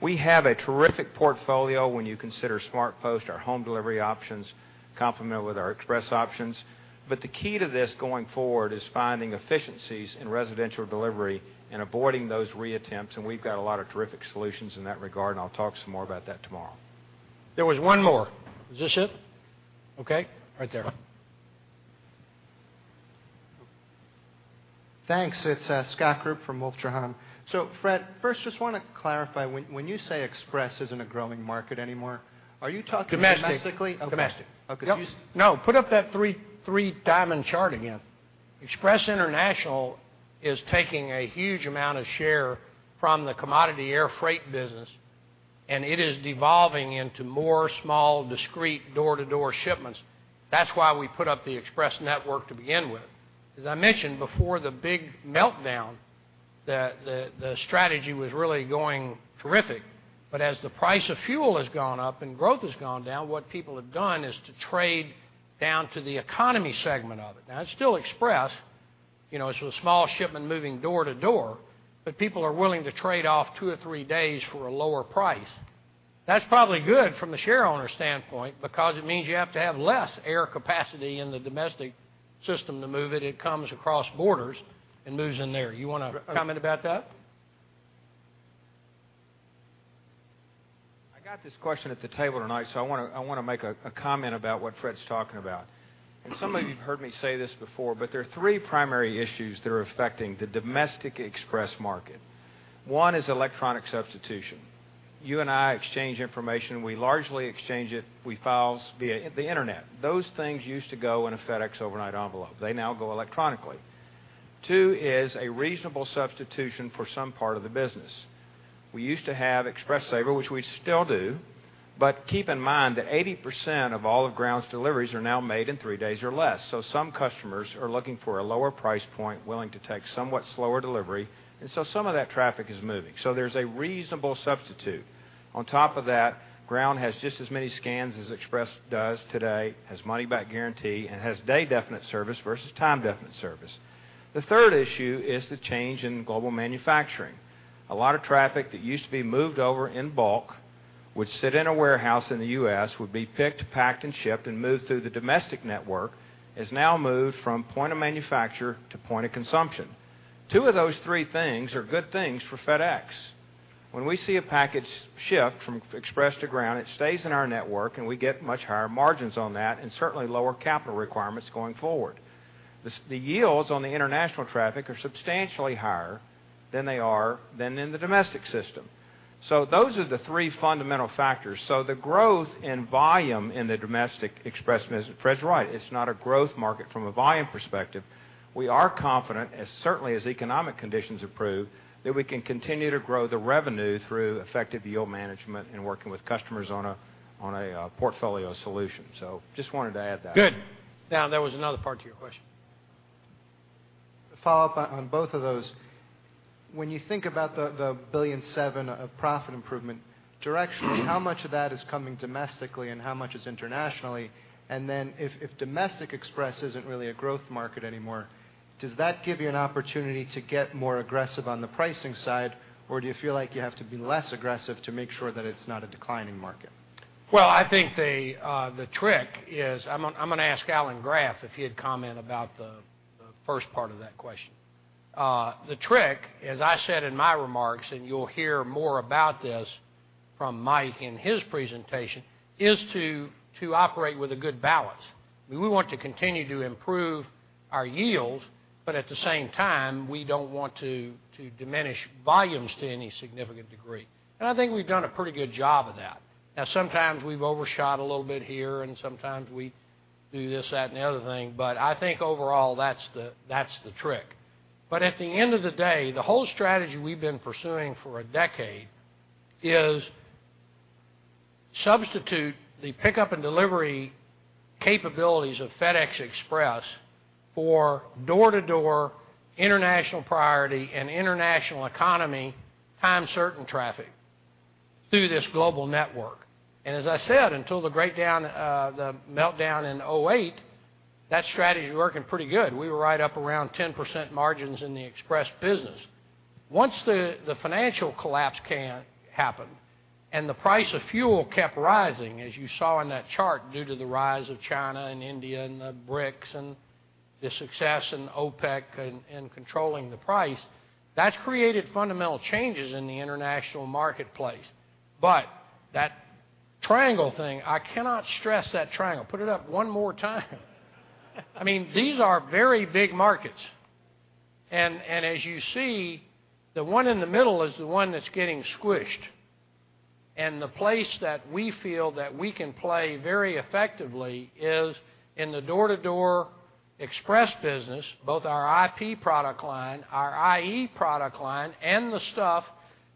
Speaker 13: We have a terrific portfolio when you consider SmartPost, our home delivery options, complemented with our Express options. But the key to this going forward is finding efficiencies in residential delivery and avoiding those reattempts, and we've got a lot of terrific solutions in that regard, and I'll talk some more about that tomorrow.
Speaker 2: There was one more. Is this it? Okay, right there.
Speaker 15: Thanks. It's Scott Group from Wolfe Trahan. Fred, first, just want to clarify, when you say Express isn't a growing market anymore, are you talking domestically?
Speaker 2: Domestic. Domestic.
Speaker 15: Okay.
Speaker 2: Yep. No, put up that three diamond chart again. Express International is taking a huge amount of share from the commodity air freight business, and it is devolving into more small, discrete, door-to-door shipments. That's why we put up the Express network to begin with. As I mentioned before, the big meltdown, the strategy was really going terrific, but as the price of fuel has gone up and growth has gone down, what people have done is to trade down to the economy segment of it. Now, it's still Express, you know, it's a small shipment moving door to door, but people are willing to trade off two or three days for a lower price. That's probably good from a shareowner standpoint, because it means you have to have less air capacity in the domestic system to move it. It comes across borders and moves in there. You want to comment about that?
Speaker 13: I got this question at the table tonight, so I want to make a comment about what Fred's talking about. Some of you have heard me say this before, but there are three primary issues that are affecting the domestic Express market. One is electronic substitution. You and I exchange information, we largely exchange it with files via the internet. Those things used to go in a FedEx overnight envelope. They now go electronically. Two is a reasonable substitution for some part of the business. We used to have Express Saver, which we still do, but keep in mind that 80% of all of Ground's deliveries are now made in three days or less. Some customers are looking for a lower price point, willing to take somewhat slower delivery, and so some of that traffic is moving, so there's a reasonable substitute. On top of that, Ground has just as many scans as Express does today, has money-back guarantee, and has day definite service versus time definite service. The third issue is the change in global manufacturing. A lot of traffic that used to be moved over in bulk, would sit in a warehouse in the U.S., would be picked, packed, and shipped, and moved through the domestic network, has now moved from point of manufacturer to point of consumption. Two of those three things are good things for FedEx. When we see a package shift from Express to Ground, it stays in our network, and we get much higher margins on that and certainly lower capital requirements going forward. The yields on the international traffic are substantially higher than they are than in the domestic system. Those are the three fundamental factors. The growth in volume in the domestic Express business, Fred's right, it's not a growth market from a volume perspective. We are confident, as certainly as economic conditions improve, that we can continue to grow the revenue through effective yield management and working with customers on a portfolio solution. Just wanted to add that.
Speaker 2: Good. Now, there was another part to your question.
Speaker 15: Follow-up on both of those. When you think about the $1.7 billion of profit improvement, directionally, how much of that is coming domestically and how much is internationally? Then if domestic Express isn't really a growth market anymore, does that give you an opportunity to get more aggressive on the pricing side, or do you feel like you have to be less aggressive to make sure that it's not a declining market?
Speaker 2: Well, I think the trick is... I'm gonna ask Alan Graf if he'd comment about the first part of that question. The trick, as I said in my remarks, and you'll hear more about this from Mike in his presentation, is to operate with a good balance. We want to continue to improve our yields, but at the same time, we don't want to diminish volumes to any significant degree. I think we've done a pretty good job of that. Now, sometimes we've overshot a little bit here, and sometimes we do this, that, and the other thing, but I think overall, that's the trick. But at the end of the day, the whole strategy we've been pursuing for a decade is substitute the pickup and delivery capabilities of FedEx Express for door-to-door International Priority and International Economy, time-certain traffic through this global network. As I said, until the breakdown, the meltdown in 2008, that strategy was working pretty good. We were right up around 10% margins in the express business. Once the financial collapse happened, and the price of fuel kept rising, as you saw in that chart, due to the rise of China, and India, and the BRICS and the success in OPEC in controlling the price, that's created fundamental changes in the international marketplace. But that triangle thing, I cannot stress that triangle. Put it up one more time. I mean, these are very big markets, and as you see, the one in the middle is the one that's getting squished. The place that we feel that we can play very effectively is in the door-to-door express business, both our IP product line, our IE product line, and the stuff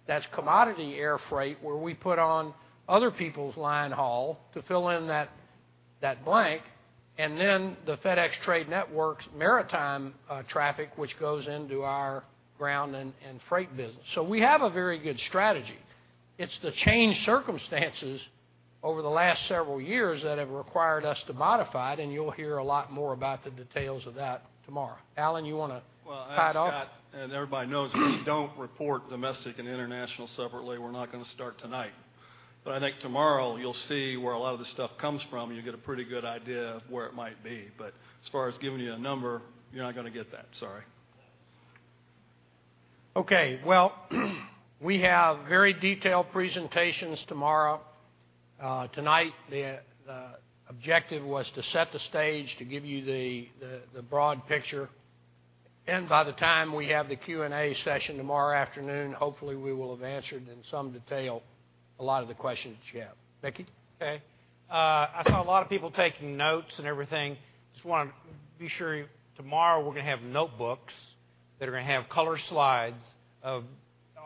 Speaker 2: that's commodity air freight, where we put on other people's line haul to fill in that blank, and then the FedEx Trade Networks maritime traffic, which goes into our ground and freight business. We have a very good strategy. It's the changed circumstances over the last several years that have required us to modify it, and you'll hear a lot more about the details of that tomorrow. Alan, you wanna tie it off?
Speaker 4: Well, as Scott and everybody knows, we don't report domestic and international separately. We're not gonna start tonight. But I think tomorrow, you'll see where a lot of this stuff comes from, and you'll get a pretty good idea of where it might be. But as far as giving you a number, you're not gonna get that. Sorry.
Speaker 2: Okay. Well, we have very detailed presentations tomorrow. Tonight, the objective was to set the stage, to give you the broad picture. By the time we have the Q&A session tomorrow afternoon, hopefully, we will have answered in some detail a lot of the questions that you have. Mickey?
Speaker 1: Okay. I saw a lot of people taking notes and everything. Just wanna be sure, tomorrow, we're gonna have notebooks that are gonna have color slides of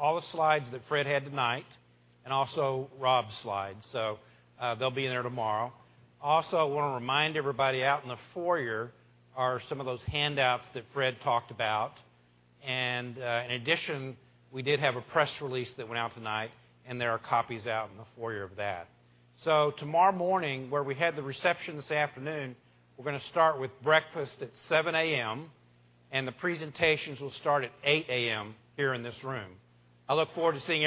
Speaker 1: all the slides that Fred had tonight, and also Rob's slides, so, they'll be in there tomorrow. Also, I wanna remind everybody, out in the foyer are some of those handouts that Fred talked about. In addition, we did have a press release that went out tonight, and there are copies out in the foyer of that. Tomorrow morning, where we had the reception this afternoon, we're gonna start with breakfast at 7:00 A.M., and the presentations will start at 8:00 A.M. here in this room. I look forward to seeing every...